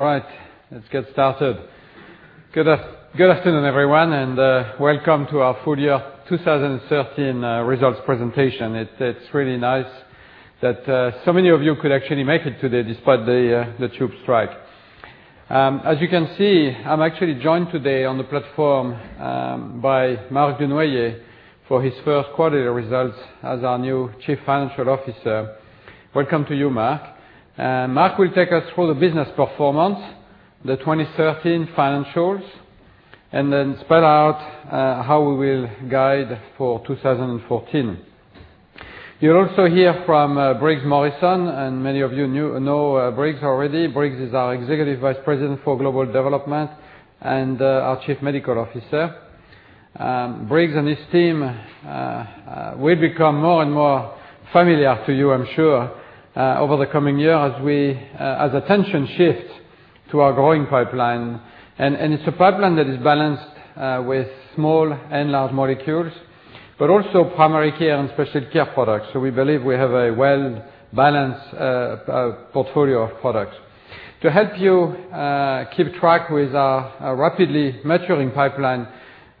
All right, let's get started. Good afternoon, everyone, and welcome to our full year 2013 results presentation. It's really nice that so many of you could actually make it today despite the tube strike. As you can see, I'm actually joined today on the platform by Marc Dunoyer for his first quarterly results as our new Chief Financial Officer. Welcome to you, Marc. Marc will take us through the business performance, the 2013 financials, and then spell out how we will guide for 2014. You'll also hear from Briggs Morrison, and many of you know Briggs already. Briggs is our Executive Vice President for Global Development and our Chief Medical Officer. Briggs and his team will become more and more familiar to you, I'm sure, over the coming year as attention shifts to our growing pipeline. It's a pipeline that is balanced with small and large molecules, but also primary care and specialty care products. We believe we have a well-balanced portfolio of products. To help you keep track with our rapidly maturing pipeline,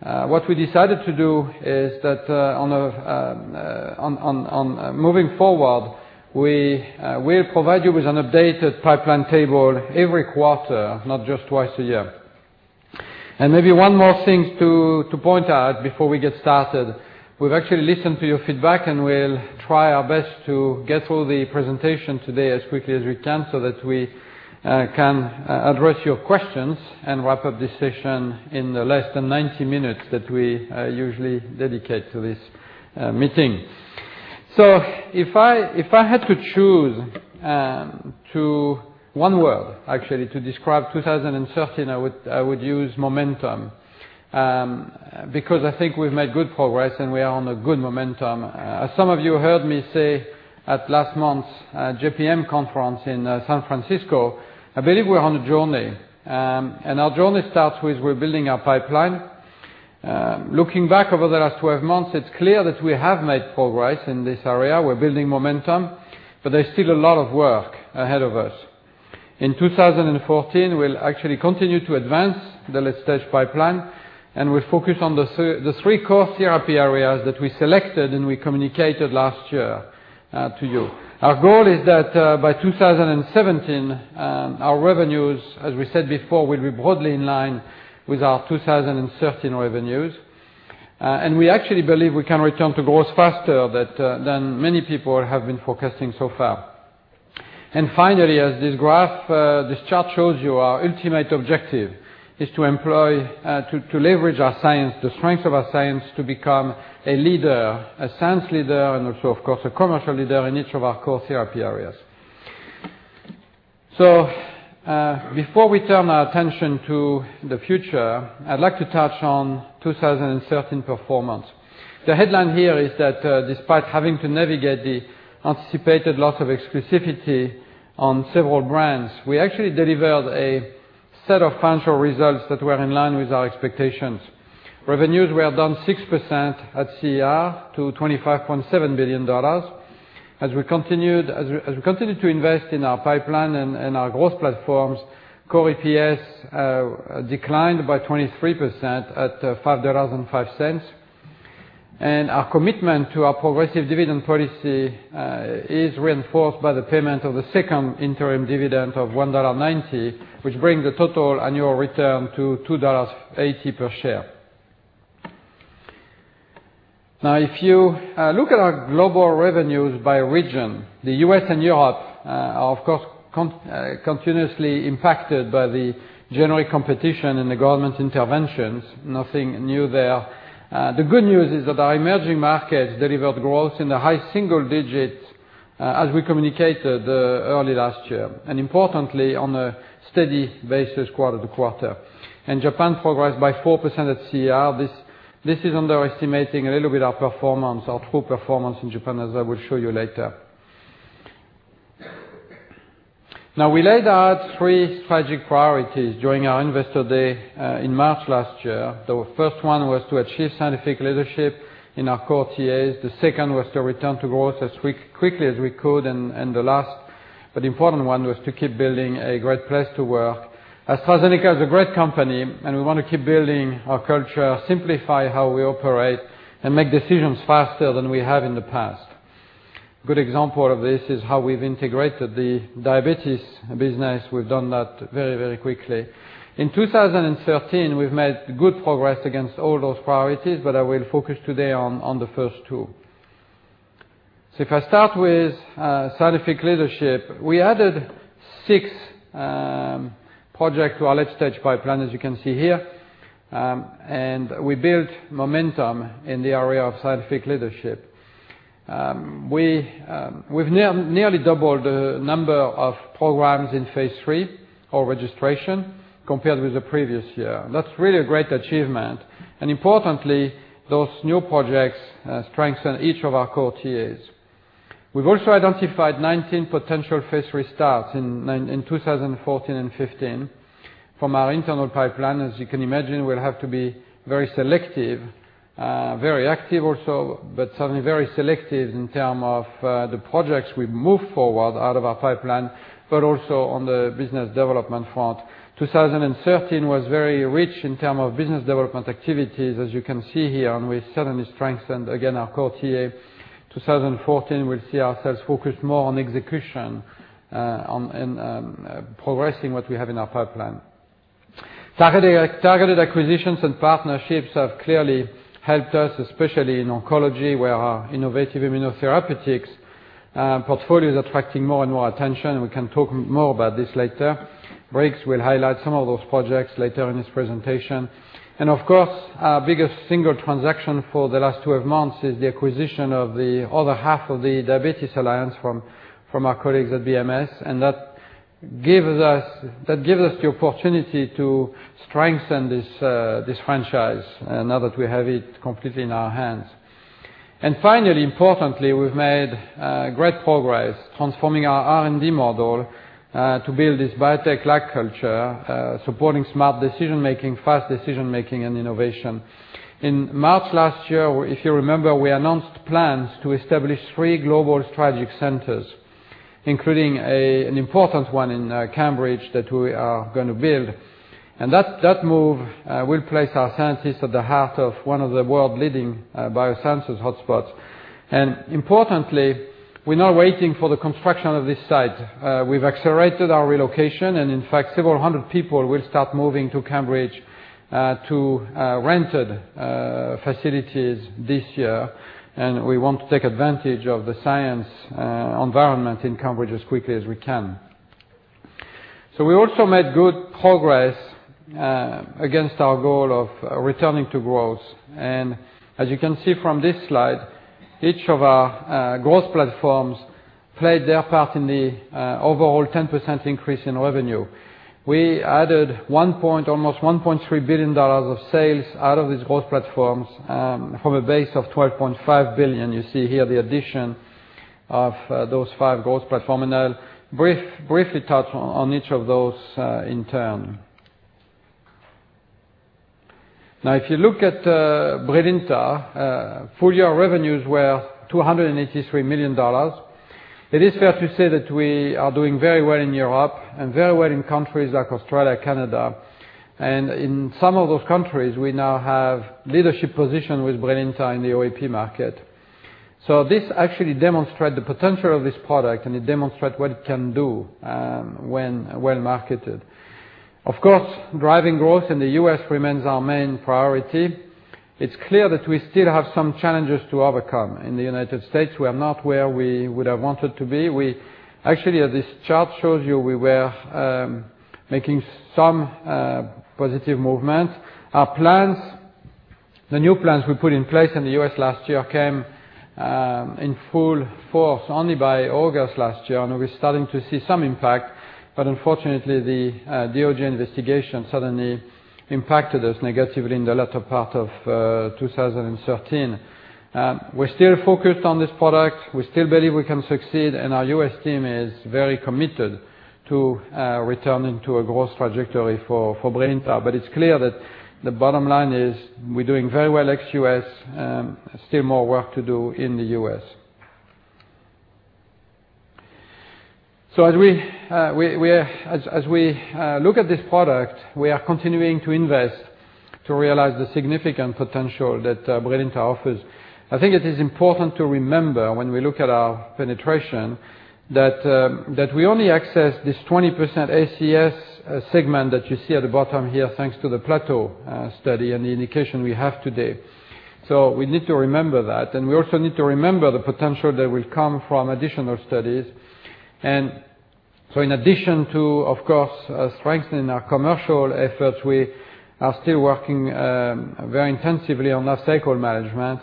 what we decided to do is that on moving forward, we will provide you with an updated pipeline table every quarter, not just twice a year. Maybe one more thing to point out before we get started. We've actually listened to your feedback, and we'll try our best to get through the presentation today as quickly as we can so that we can address your questions and wrap up this session in the less than 90 minutes that we usually dedicate to this meeting. If I had to choose one word actually to describe 2013, I would use momentum, because I think we've made good progress and we are on a good momentum. As some of you heard me say at last month's J.P. Morgan conference in San Francisco, I believe we're on a journey. Our journey starts with rebuilding our pipeline. Looking back over the last 12 months, it's clear that we have made progress in this area. We're building momentum, but there's still a lot of work ahead of us. In 2014, we'll actually continue to advance the late-stage pipeline, and we'll focus on the three core therapy areas that we selected and we communicated last year to you. Our goal is that by 2017, our revenues, as we said before, will be broadly in line with our 2013 revenues. We actually believe we can return to growth faster than many people have been forecasting so far. Finally, as this chart shows you, our ultimate objective is to leverage our science, the strength of our science, to become a leader, a science leader, and also, of course, a commercial leader in each of our core therapy areas. Before we turn our attention to the future, I'd like to touch on 2013 performance. The headline here is that despite having to navigate the anticipated loss of exclusivity on several brands, we actually delivered a set of financial results that were in line with our expectations. Revenues were down 6% at CER to $25.7 billion. As we continued to invest in our pipeline and our growth platforms, core EPS declined by 23% at $5.05. Our commitment to our progressive dividend policy is reinforced by the payment of the second interim dividend of $1.90, which brings the total annual return to $2.80 per share. If you look at our global revenues by region, the U.S. and Europe are, of course, continuously impacted by the generic competition and the government interventions. Nothing new there. The good news is that our emerging markets delivered growth in the high single digits as we communicated early last year, importantly, on a steady basis quarter to quarter. Japan progressed by 4% at CER. This is underestimating a little bit our performance, our true performance in Japan, as I will show you later. We laid out three strategic priorities during our investor day in March last year. The first one was to achieve scientific leadership in our core TAs. The second was to return to growth as quickly as we could. The last but important one was to keep building a great place to work. AstraZeneca is a great company, and we want to keep building our culture, simplify how we operate, and make decisions faster than we have in the past. Good example of this is how we've integrated the diabetes business. We've done that very quickly. In 2013, we've made good progress against all those priorities, but I will focus today on the first two. If I start with scientific leadership, we added six projects to our late-stage pipeline, as you can see here, and we built momentum in the area of scientific leadership. We've nearly doubled the number of programs in phase III or registration compared with the previous year. That's really a great achievement. Importantly, those new projects strengthen each of our core TAs. We've also identified 19 potential phase III starts in 2014 and 2015. From our internal pipeline, as you can imagine, we'll have to be very selective, very active also, but certainly very selective in terms of the projects we move forward out of our pipeline, but also on the business development front. 2013 was very rich in terms of business development activities, as you can see here, and we certainly strengthened, again, our core TA. 2014, we'll see ourselves focused more on execution and progressing what we have in our pipeline. Targeted acquisitions and partnerships have clearly helped us, especially in oncology, where our innovative immunotherapeutics portfolio is attracting more and more attention. We can talk more about this later. Briggs will highlight some of those projects later in his presentation. Of course, our biggest single transaction for the last 12 months is the acquisition of the other half of the Diabetes Alliance from our colleagues at BMS. That gives us the opportunity to strengthen this franchise now that we have it completely in our hands. Finally, importantly, we've made great progress transforming our R&D model to build this biotech-like culture, supporting smart decision making, fast decision making, and innovation. In March last year, if you remember, we announced plans to establish three global strategic centers, including an important one in Cambridge that we are going to build. That move will place our scientists at the heart of one of the world leading biosciences hotspots. Importantly, we're now waiting for the construction of this site. We've accelerated our relocation, and in fact, several hundred people will start moving to Cambridge to rented facilities this year. We want to take advantage of the science environment in Cambridge as quickly as we can. We also made good progress against our goal of returning to growth. As you can see from this slide, each of our growth platforms played their part in the overall 10% increase in revenue. We added almost $1.3 billion of sales out of these growth platforms from a base of $12.5 billion. You see here the addition of those five growth platform, and I'll briefly touch on each of those in turn. If you look at BRILINTA, full year revenues were $283 million. It is fair to say that we are doing very well in Europe and very well in countries like Australia, Canada. In some of those countries, we now have leadership position with BRILINTA in the OAP market. This actually demonstrate the potential of this product, and it demonstrate what it can do when well-marketed. Of course, driving growth in the U.S. remains our main priority. It's clear that we still have some challenges to overcome in the United States. We are not where we would have wanted to be. Actually, as this chart shows you, we were making some positive movement. The new plans we put in place in the U.S. last year came in full force only by August last year, and we're starting to see some impact. Unfortunately, the DoJ investigation suddenly impacted us negatively in the latter part of 2013. We're still focused on this product. We still believe we can succeed, and our U.S. team is very committed to returning to a growth trajectory for BRILINTA. It's clear that the bottom line is we're doing very well ex-U.S. Still more work to do in the U.S. As we look at this product, we are continuing to invest to realize the significant potential that BRILINTA offers. I think it is important to remember when we look at our penetration that we only access this 20% ACS segment that you see at the bottom here, thanks to the PLATO study and the indication we have today. We need to remember that, and we also need to remember the potential that will come from additional studies. In addition to, of course, strengthening our commercial efforts, we are still working very intensively on our cycle management.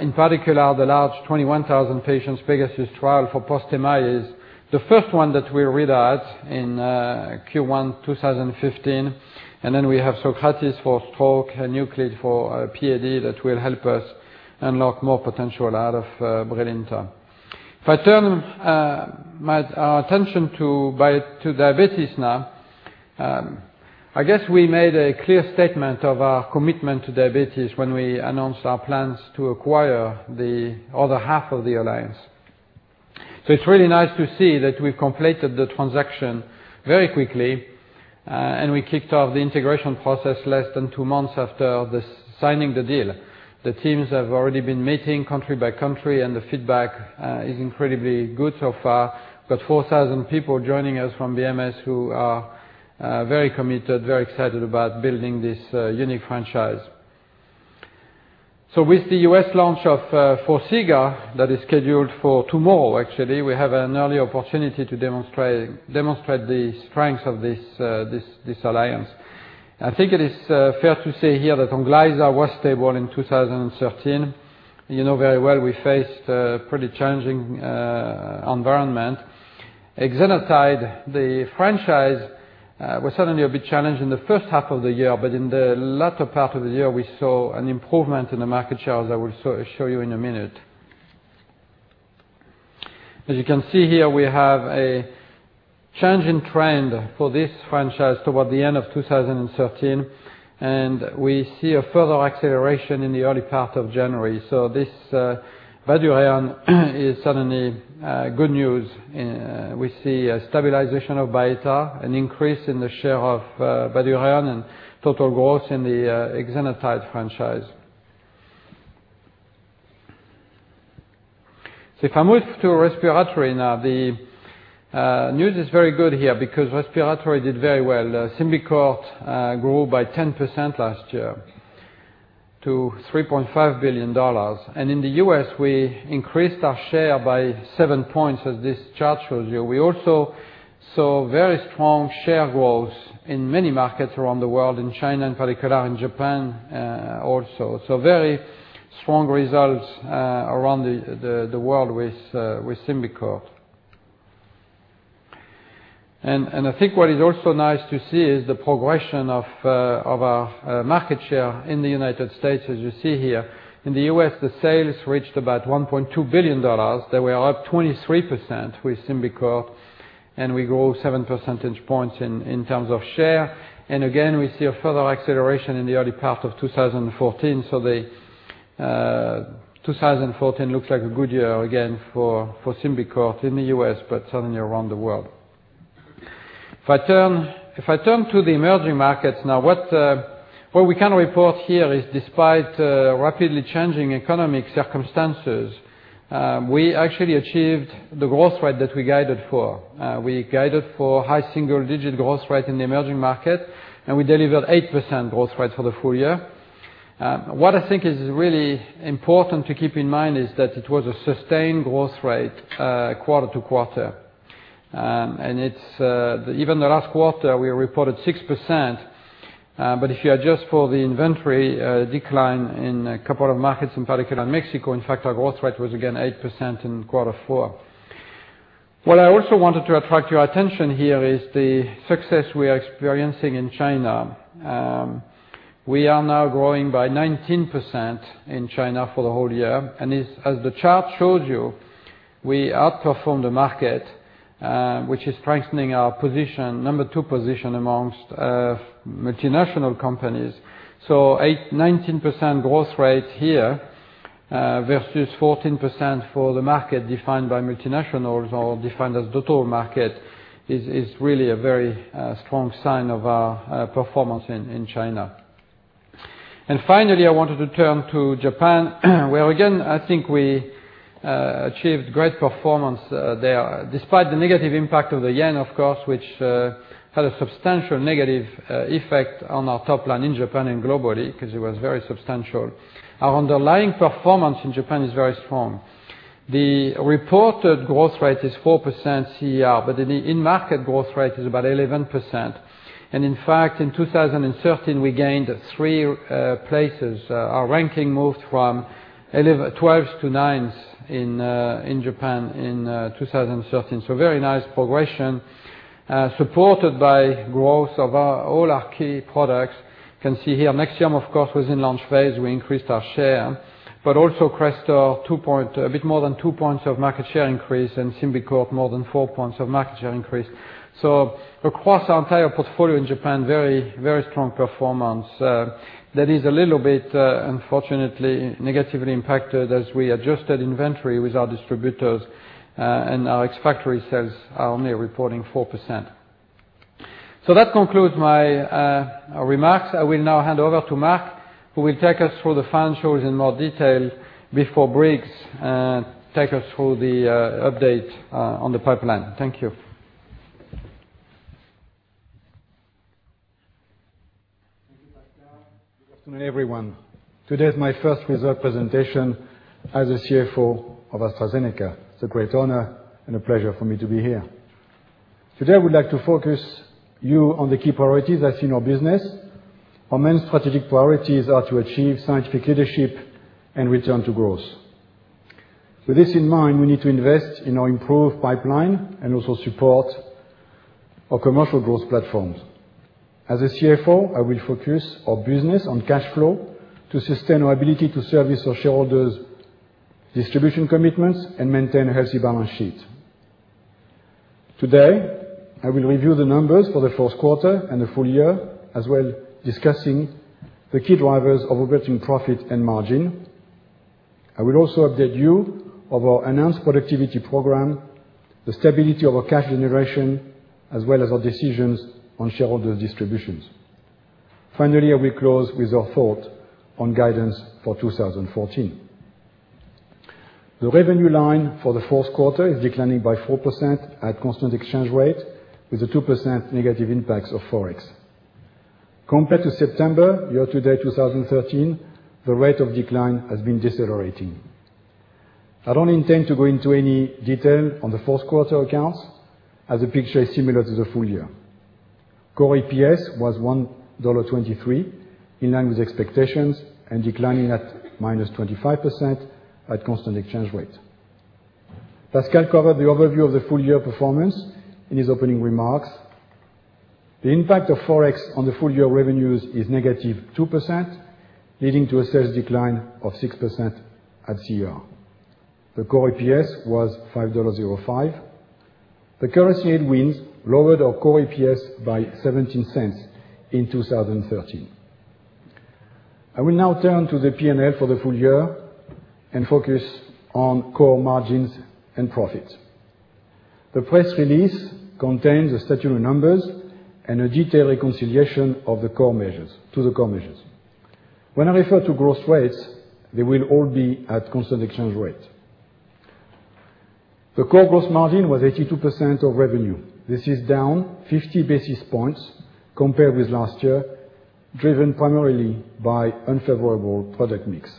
In particular, the large 21,000 patients PEGASUS trial for post MI is the first one that we read out in Q1 2015. We have SOCRATES for stroke and NUCLEATE for PAD that will help us unlock more potential out of BRILINTA. If I turn our attention to diabetes now. I guess we made a clear statement of our commitment to diabetes when we announced our plans to acquire the other half of the alliance. It's really nice to see that we've completed the transaction very quickly, and we kicked off the integration process less than two months after signing the deal. The teams have already been meeting country by country, and the feedback is incredibly good so far. We've got 4,000 people joining us from BMS who are very committed, very excited about building this unique franchise. With the U.S. launch of FORXIGA that is scheduled for tomorrow, actually, we have an early opportunity to demonstrate the strength of this alliance. I think it is fair to say here that ONGLYZA was stable in 2013. You know very well we faced a pretty challenging environment. exenatide, the franchise, was suddenly a bit challenged in the first half of the year. But in the latter part of the year, we saw an improvement in the market shares I will show you in a minute. As you can see here, we have a change in trend for this franchise toward the end of 2013, and we see a further acceleration in the early part of January. This Bydureon is suddenly good news. We see a stabilization of Byetta, an increase in the share of Bydureon, and total growth in the exenatide franchise. If I move to respiratory now, the news is very good here because respiratory did very well. SYMBICORT grew by 10% last year to $3.5 billion. And in the U.S., we increased our share by seven points, as this chart shows you. We also saw very strong share growth in many markets around the world, in China in particular, in Japan also. Very strong results around the world with SYMBICORT. I think what is also nice to see is the progression of our market share in the United States, as you see here. In the U.S., the sales reached about $1.2 billion. They were up 23% with SYMBICORT, and we grew seven percentage points in terms of share. And again, we see a further acceleration in the early part of 2014. 2014 looks like a good year again for SYMBICORT in the U.S., but certainly around the world. If I turn to the emerging markets now, what we can report here is despite rapidly changing economic circumstances, we actually achieved the growth rate that we guided for. We guided for high single-digit growth rate in the emerging market, and we delivered 8% growth rate for the full year. What I think is really important to keep in mind is that it was a sustained growth rate quarter-to-quarter. Even the last quarter, we reported 6%, but if you adjust for the inventory decline in a couple of markets, in particular Mexico, in fact, our growth rate was again 8% in Q4. What I also wanted to attract your attention here is the success we are experiencing in China. We are now growing by 19% in China for the whole year, and as the chart shows you, we outperformed the market, which is strengthening our position, number 2 position amongst multinational companies. 19% growth rate here versus 14% for the market defined by multinationals or defined as total market is really a very strong sign of our performance in China. Finally, I wanted to turn to Japan, where again, I think we achieved great performance there, despite the negative impact of the yen, of course, which had a substantial negative effect on our top line in Japan and globally, because it was very substantial. Our underlying performance in Japan is very strong. The reported growth rate is 4% CR, but the in-market growth rate is about 11%. In fact, in 2013, we gained three places. Our ranking moved from twelfth to ninth in Japan in 2013. Very nice progression, supported by growth of all our key products. You can see here, NEXIUM, of course, was in launch phase. We increased our share. Also CRESTOR, a bit more than two points of market share increase, and SYMBICORT more than four points of market share increase. Across our entire portfolio in Japan, very strong performance. That is a little bit, unfortunately, negatively impacted as we adjusted inventory with our distributors, and our ex-factory sales are only reporting 4%. That concludes my remarks. I will now hand over to Marc, who will take us through the financials in more detail before Briggs takes us through the update on the pipeline. Thank you. Thank you, Pascal. Good afternoon, everyone. Today is my first results presentation as the CFO of AstraZeneca. It's a great honor and a pleasure for me to be here. Today, I would like to focus you on the key priorities of our business. Our main strategic priorities are to achieve scientific leadership and return to growth. With this in mind, we need to invest in our improved pipeline and also support our commercial growth platforms. As the CFO, I will focus our business on cash flow to sustain our ability to service our shareholders' distribution commitments and maintain a healthy balance sheet. Today, I will review the numbers for the first quarter and the full year, as well discussing the key drivers of operating profit and margin. I will also update you of our announced productivity program, the stability of our cash generation, as well as our decisions on shareholder distributions. Finally, I will close with our thought on guidance for 2014. The revenue line for the fourth quarter is declining by 4% at constant exchange rate with a 2% negative impact of Forex. Compared to September year-to-date 2013, the rate of decline has been decelerating. I don't intend to go into any detail on the fourth quarter accounts, as the picture is similar to the full year. Core EPS was $1.23, in line with expectations and declining at -25% at constant exchange rate. Pascal covered the overview of the full-year performance in his opening remarks. The impact of Forex on the full year revenues is negative 2%, leading to a sales decline of 6% at CER. The core EPS was $5.05. The currency headwinds lowered our core EPS by $0.17 in 2013. I will now turn to the P&L for the full year and focus on core margins and profits. The press release contains the statutory numbers and a detailed reconciliation to the core measures. When I refer to growth rates, they will all be at constant exchange rate. The core gross margin was 82% of revenue. This is down 50 basis points compared with last year, driven primarily by unfavorable product mix.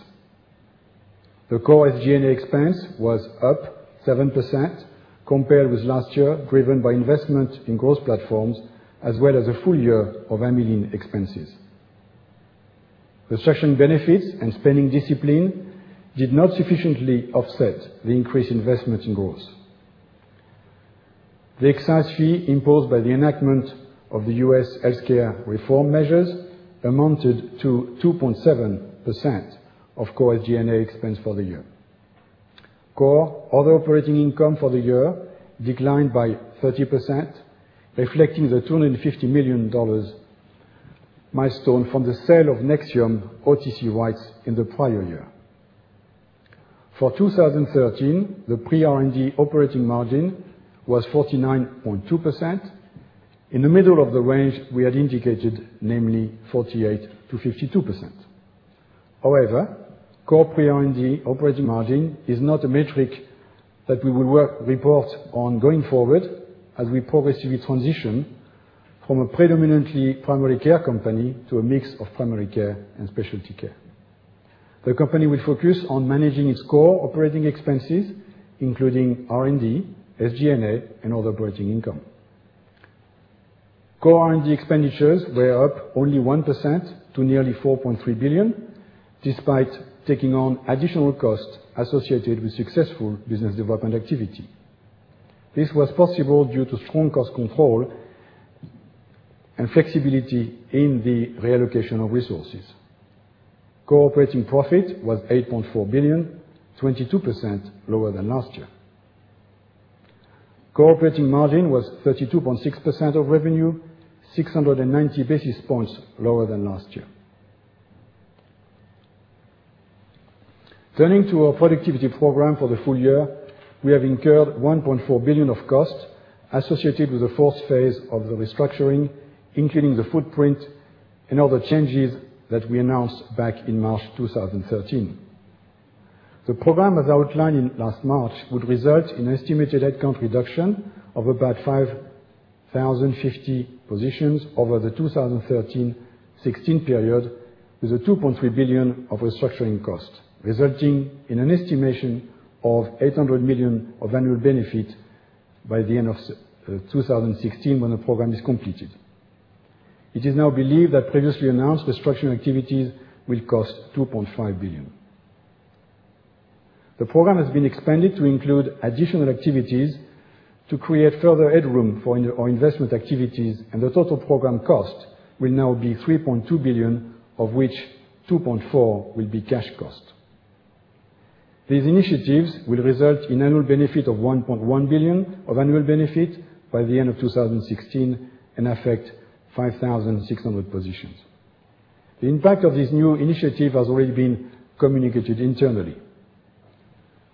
The core SG&A expense was up 7% compared with last year, driven by investment in growth platforms, as well as a full year of Amylin expenses. Restructuring benefits and spending discipline did not sufficiently offset the increased investment in growth. The excise fee imposed by the enactment of the U.S. healthcare reform measures amounted to 2.7% of core SG&A expense for the year. Core other operating income for the year declined by 30%, reflecting the $250 million milestone from the sale of NEXIUM OTC rights in the prior year. For 2013, the pre-R&D operating margin was 49.2%, in the middle of the range we had indicated, namely 48%-52%. Core pre-R&D operating margin is not a metric that we will report on going forward as we progressively transition from a predominantly primary care company to a mix of primary care and specialty care. The company will focus on managing its core operating expenses, including R&D, SG&A, and other operating income. Core R&D expenditures were up only 1% to nearly $4.3 billion, despite taking on additional costs associated with successful business development activity. This was possible due to strong cost control and flexibility in the reallocation of resources. Core operating profit was $8.4 billion, 22% lower than last year. Core operating margin was 32.6% of revenue, 690 basis points lower than last year. Turning to our productivity program for the full year, we have incurred $1.4 billion of costs associated with the fourth phase of the restructuring, including the footprint and other changes that we announced back in March 2013. The program, as outlined last March, would result in an estimated headcount reduction of about 5,050 positions over the 2013-2016 period, with a $2.3 billion of restructuring costs, resulting in an estimation of $800 million of annual benefit by the end of 2016 when the program is completed. It is now believed that previously announced restructuring activities will cost $2.5 billion. The program has been expanded to include additional activities to create further headroom for our investment activities, the total program cost will now be $3.2 billion, of which $2.4 billion will be cash cost. These initiatives will result in annual benefit of $1.1 billion by the end of 2016 and affect 5,600 positions. The impact of this new initiative has already been communicated internally.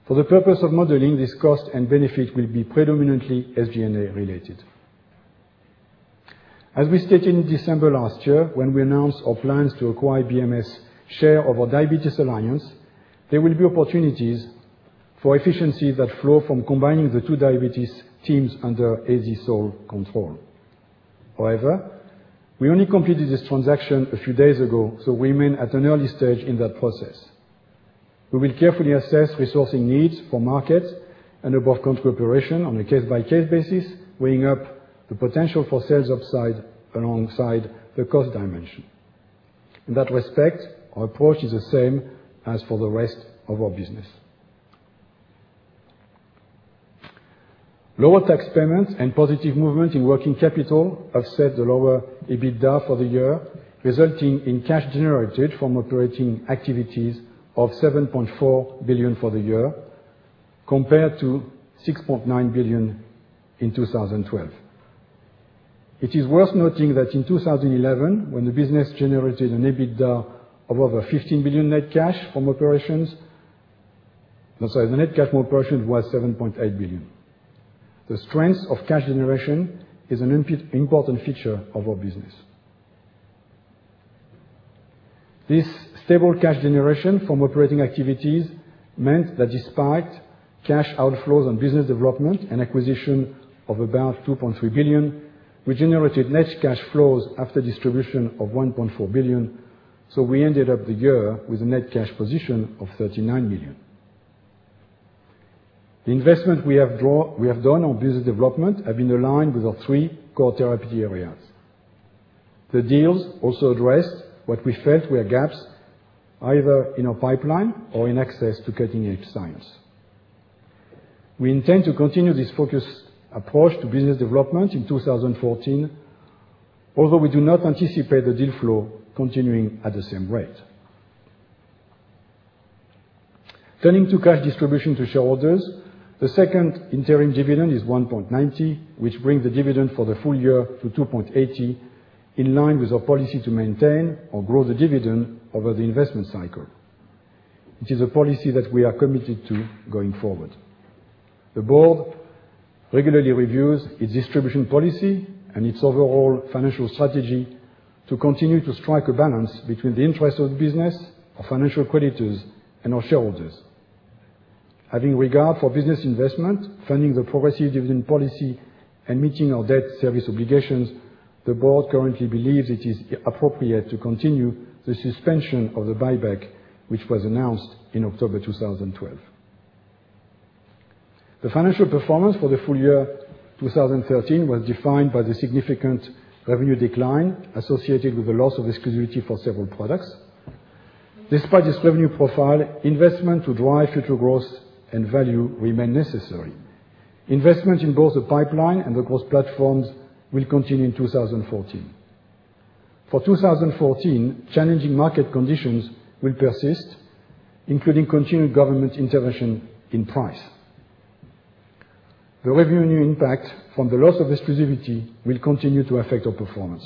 For the purpose of modeling, this cost and benefit will be predominantly SG&A related. As we stated in December last year when we announced our plans to acquire BMS's share of our diabetes alliance, there will be opportunities for efficiency that flow from combining the two diabetes teams under AZ sole control. We only completed this transaction a few days ago, we remain at an early stage in that process. We will carefully assess resourcing needs for markets and above-country operation on a case-by-case basis, weighing up the potential for sales upside alongside the cost dimension. In that respect, our approach is the same as for the rest of our business. Lower tax payments and positive movement in working capital offset the lower EBITDA for the year, resulting in cash generated from operating activities of $7.4 billion for the year, compared to $6.9 billion in 2012. It is worth noting that in 2011, when the business generated an EBITDA of over $15 billion net cash from operations I'm sorry, the net cash from operations was $7.8 billion. The strength of cash generation is an important feature of our business. This stable cash generation from operating activities meant that despite cash outflows on business development and acquisition of about $2.3 billion, we generated net cash flows after distribution of $1.4 billion, we ended up the year with a net cash position of $39 billion. The investment we have done on business development have been aligned with our three core therapy areas. The deals also addressed what we felt were gaps either in our pipeline or in access to cutting-edge science. We intend to continue this focused approach to business development in 2014, although we do not anticipate the deal flow continuing at the same rate. Turning to cash distribution to shareholders, the second interim dividend is $1.90, which brings the dividend for the full year to $2.80, in line with our policy to maintain or grow the dividend over the investment cycle. It is a policy that we are committed to going forward. The board regularly reviews its distribution policy and its overall financial strategy to continue to strike a balance between the interests of the business, our financial creditors, and our shareholders. Having regard for business investment, funding the progressive dividend policy, and meeting our debt service obligations, the board currently believes it is appropriate to continue the suspension of the buyback, which was announced in October 2012. The financial performance for the full year 2013 was defined by the significant revenue decline associated with the loss of exclusivity for several products. Despite this revenue profile, investment to drive future growth and value remain necessary. Investment in both the pipeline and the growth platforms will continue in 2014. For 2014, challenging market conditions will persist, including continued government intervention in price. The revenue impact from the loss of exclusivity will continue to affect our performance.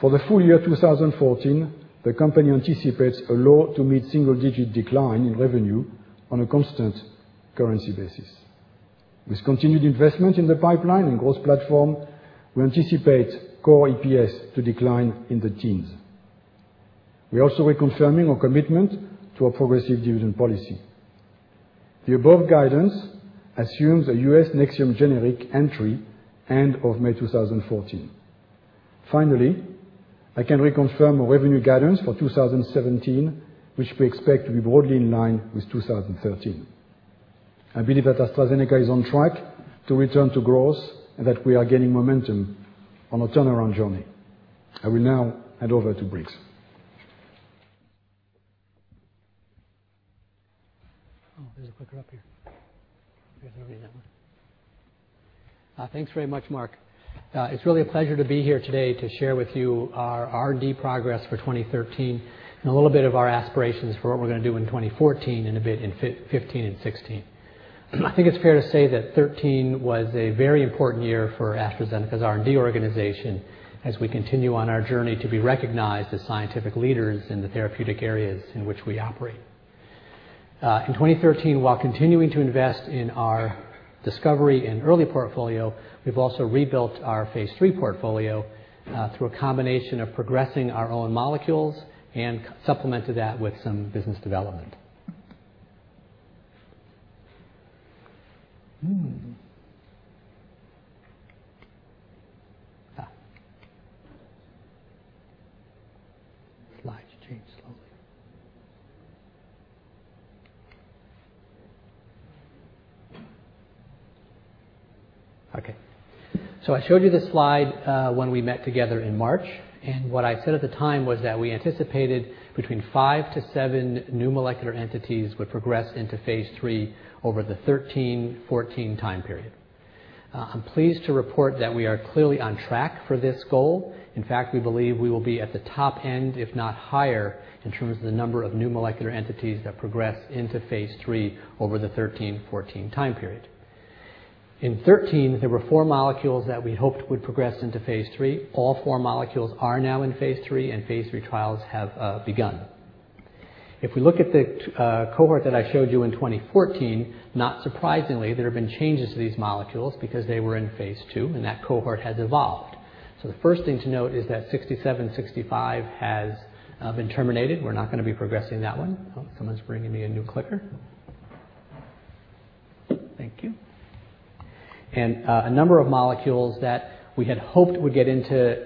For the full year 2014, the company anticipates a low- to mid-single-digit decline in revenue on a constant currency basis. With continued investment in the pipeline and growth platform, we anticipate core EPS to decline in the teens. We are also reconfirming our commitment to our progressive dividend policy. The above guidance assumes a U.S. NEXIUM generic entry end of May 2014. I can reconfirm our revenue guidance for 2017, which we expect to be broadly in line with 2013. I believe that AstraZeneca is on track to return to growth and that we are gaining momentum on our turnaround journey. I will now hand over to Briggs. There's a clicker up here. Guess I'll need that one. Thanks very much, Marc. It's really a pleasure to be here today to share with you our R&D progress for 2013 and a little bit of our aspirations for what we're going to do in 2014 and a bit in 2015 and 2016. I think it's fair to say that 2013 was a very important year for AstraZeneca's R&D organization as we continue on our journey to be recognized as scientific leaders in the therapeutic areas in which we operate. In 2013, while continuing to invest in our discovery and early portfolio, we've also rebuilt our phase III portfolio through a combination of progressing our own molecules and supplemented that with some business development. Slides change slowly. I showed you this slide when we met together in March, and what I said at the time was that we anticipated between five to seven new molecular entities would progress into phase III over the 2013, 2014 time period. I'm pleased to report that we are clearly on track for this goal. In fact, we believe we will be at the top end, if not higher, in terms of the number of new molecular entities that progress into phase III over the 2013, 2014 time period. In 2013, there were four molecules that we hoped would progress into phase III. All four molecules are now in phase III, and phase III trials have begun. If we look at the cohort that I showed you in 2014, not surprisingly, there have been changes to these molecules because they were in phase II, and that cohort has evolved. The first thing to note is that AZD6765 has been terminated. We're not going to be progressing that one. Oh, someone's bringing me a new clicker. Thank you. A number of molecules that we had hoped would get into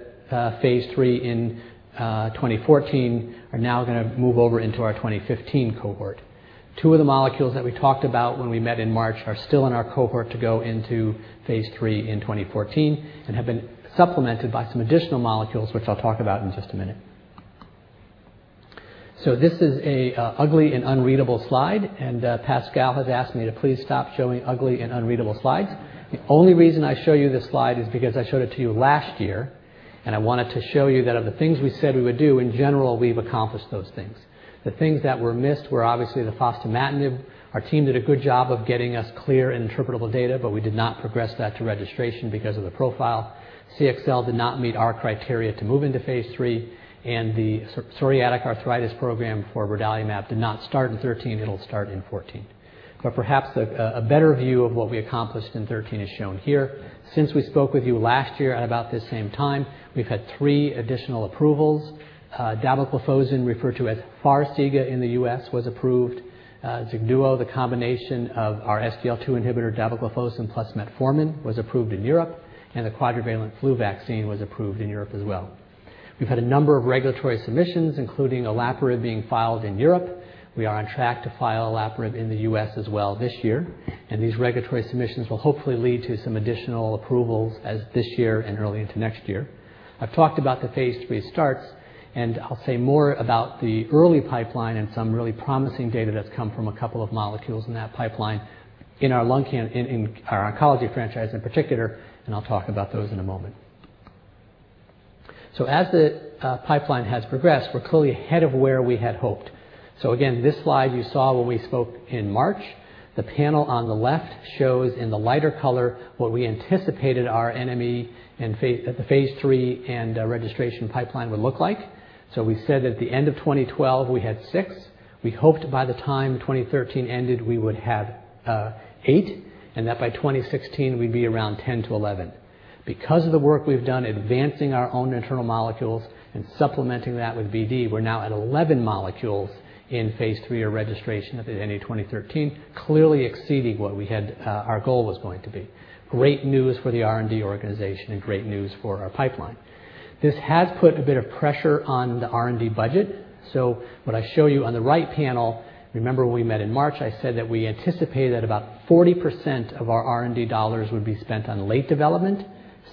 phase III in 2014 are now going to move over into our 2015 cohort. Two of the molecules that we talked about when we met in March are still in our cohort to go into phase III in 2014 and have been supplemented by some additional molecules, which I'll talk about in just a minute. This is an ugly and unreadable slide, and Pascal has asked me to please stop showing ugly and unreadable slides. The only reason I show you this slide is because I showed it to you last year, and I wanted to show you that of the things we said we would do, in general, we've accomplished those things. The things that were missed were obviously the fostamatinib. Our team did a good job of getting us clear and interpretable data, but we did not progress that to registration because of the profile. CXL did not meet our criteria to move into phase III, and the psoriatic arthritis program for brodalumab did not start in 2013. It'll start in 2014. Perhaps a better view of what we accomplished in 2013 is shown here. Since we spoke with you last year at about this same time, we've had three additional approvals. dapagliflozin, referred to as FARXIGA in the U.S., was approved. XIGDUO, the combination of our SGLT2 inhibitor dapagliflozin plus metformin, was approved in Europe, the quadrivalent flu vaccine was approved in Europe as well. We've had a number of regulatory submissions, including olaparib being filed in Europe. We are on track to file olaparib in the U.S. as well this year, and these regulatory submissions will hopefully lead to some additional approvals as this year and early into next year. I've talked about the phase III starts, and I'll say more about the early pipeline and some really promising data that's come from a couple of molecules in that pipeline in our oncology franchise in particular, and I'll talk about those in a moment. As the pipeline has progressed, we're clearly ahead of where we had hoped. Again, this slide you saw when we spoke in March. The panel on the left shows in the lighter color what we anticipated our NME at the phase III and registration pipeline would look like. We said at the end of 2012, we had six. We hoped by the time 2013 ended, we would have eight, and that by 2016 we would be around 10 to 11. Because of the work we have done advancing our own internal molecules and supplementing that with BD, we are now at 11 molecules in phase III or registration at the end of 2013, clearly exceeding what our goal was going to be. Great news for the R&D organization and great news for our pipeline. This has put a bit of pressure on the R&D budget. What I show you on the right panel, remember when we met in March, I said that we anticipated that about 40% of our R&D GBP would be spent on late development,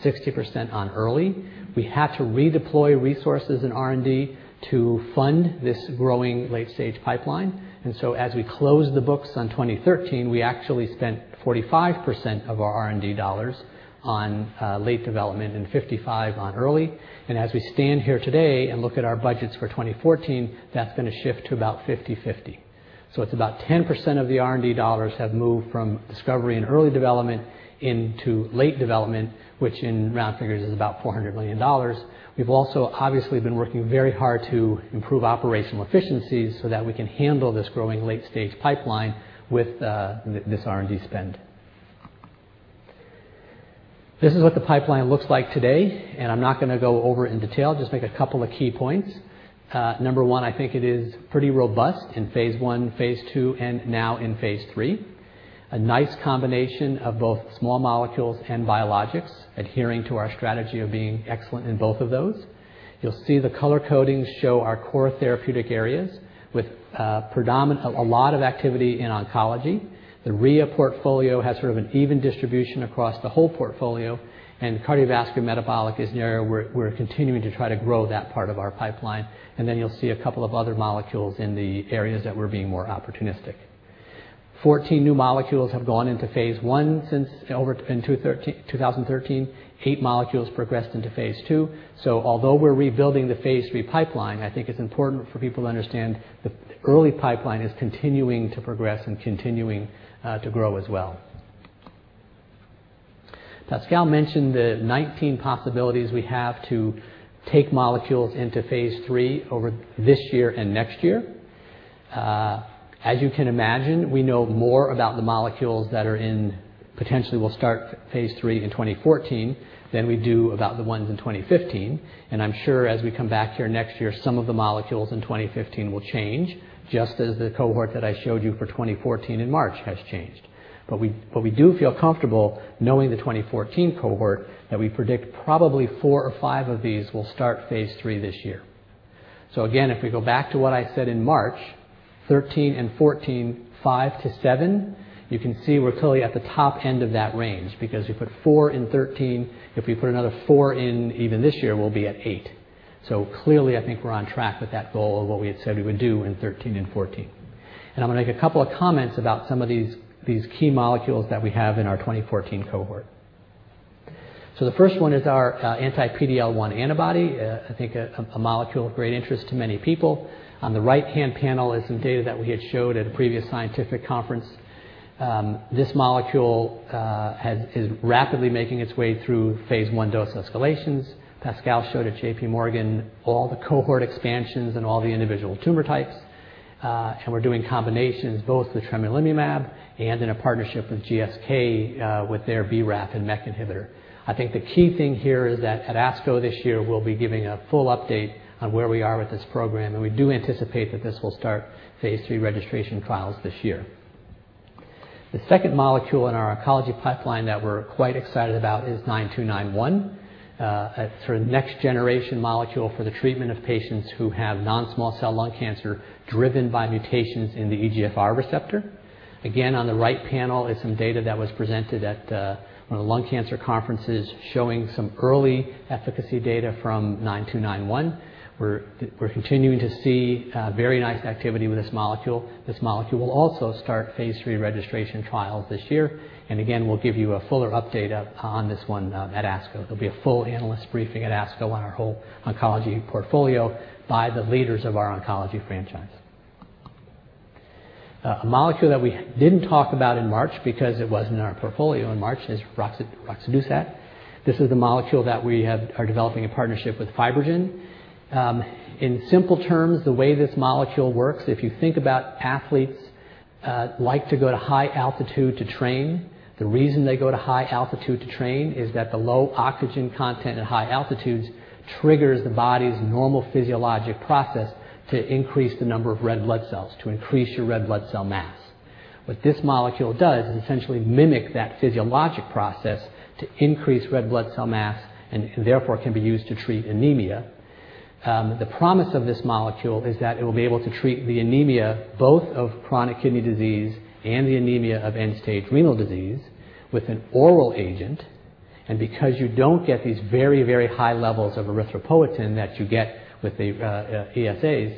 60% on early. We had to redeploy resources in R&D to fund this growing late-stage pipeline. As we closed the books on 2013, we actually spent 45% of our R&D GBP on late development and 55% on early. As we stand here today and look at our budgets for 2014, that is going to shift to about 50/50. It is about 10% of the R&D GBP have moved from discovery and early development into late development, which in round figures is about GBP 400 million. We have also obviously been working very hard to improve operational efficiencies so that we can handle this growing late-stage pipeline with this R&D spend. This is what the pipeline looks like today, and I am not going to go over it in detail, just make a couple of key points. Number one, I think it is pretty robust in phase I, phase II, and now in phase III. A nice combination of both small molecules and biologics adhering to our strategy of being excellent in both of those. You will see the color codings show our core therapeutic areas with a lot of activity in oncology. The RIA portfolio has sort of an even distribution across the whole portfolio, and cardiovascular metabolic is an area where we are continuing to try to grow that part of our pipeline. Then you will see a couple of other molecules in the areas that we are being more opportunistic. 14 new molecules have gone into phase I in 2013. Eight molecules progressed into phase II. Although we are rebuilding the phase III pipeline, I think it is important for people to understand the early pipeline is continuing to progress and continuing to grow as well. Pascal mentioned the 19 possibilities we have to take molecules into phase III over this year and next year. As you can imagine, we know more about the molecules that potentially will start phase III in 2014 than we do about the ones in 2015. I am sure as we come back here next year, some of the molecules in 2015 will change, just as the cohort that I showed you for 2014 in March has changed. But we do feel comfortable knowing the 2014 cohort that we predict probably four or five of these will start phase III this year. Again, if we go back to what I said in March 2013 and 2014, five to seven, you can see we are clearly at the top end of that range because we put four in 2013. If we put another four in even this year, we will be at eight. Clearly, I think we are on track with that goal of what we had said we would do in 2013 and 2014. I am going to make a couple of comments about some of these key molecules that we have in our 2014 cohort. The first one is our anti-PD-L1 antibody. I think a molecule of great interest to many people. On the right-hand panel is some data that we had showed at a previous scientific conference. This molecule is rapidly making its way through phase I dose escalations. Pascal showed at J.P. Morgan all the cohort expansions and all the individual tumor types. We are doing combinations both with tremelimumab and in a partnership with GSK with their BRAF and MEK inhibitor. I think the key thing here is that at ASCO this year, we will be giving a full update on where we are with this program, and we do anticipate that this will start phase III registration trials this year. The second molecule in our oncology pipeline that we are quite excited about is AZD9291, a sort of next-generation molecule for the treatment of patients who have non-small cell lung cancer driven by mutations in the EGFR receptor. On the right panel is some data that was presented at one of the lung cancer conferences showing some early efficacy data from AZD9291. We are continuing to see very nice activity with this molecule. This molecule will also start phase III registration trials this year. Again, we will give you a fuller update on this one at ASCO. There will be a full analyst briefing at ASCO on our whole oncology portfolio by the leaders of our oncology franchise. A molecule that we did not talk about in March because it was not in our portfolio in March is roxadustat. This is the molecule that we are developing in partnership with FibroGen. In simple terms, the way this molecule works, if you think about athletes like to go to high altitude to train, the reason they go to high altitude to train is that the low oxygen content at high altitudes triggers the body's normal physiologic process to increase the number of red blood cells, to increase your red blood cell mass. What this molecule does is essentially mimic that physiologic process to increase red blood cell mass and therefore can be used to treat anemia. The promise of this molecule is that it will be able to treat the anemia both of chronic kidney disease and the anemia of end-stage renal disease with an oral agent. Because you do not get these very, very high levels of erythropoietin that you get with the ESAs.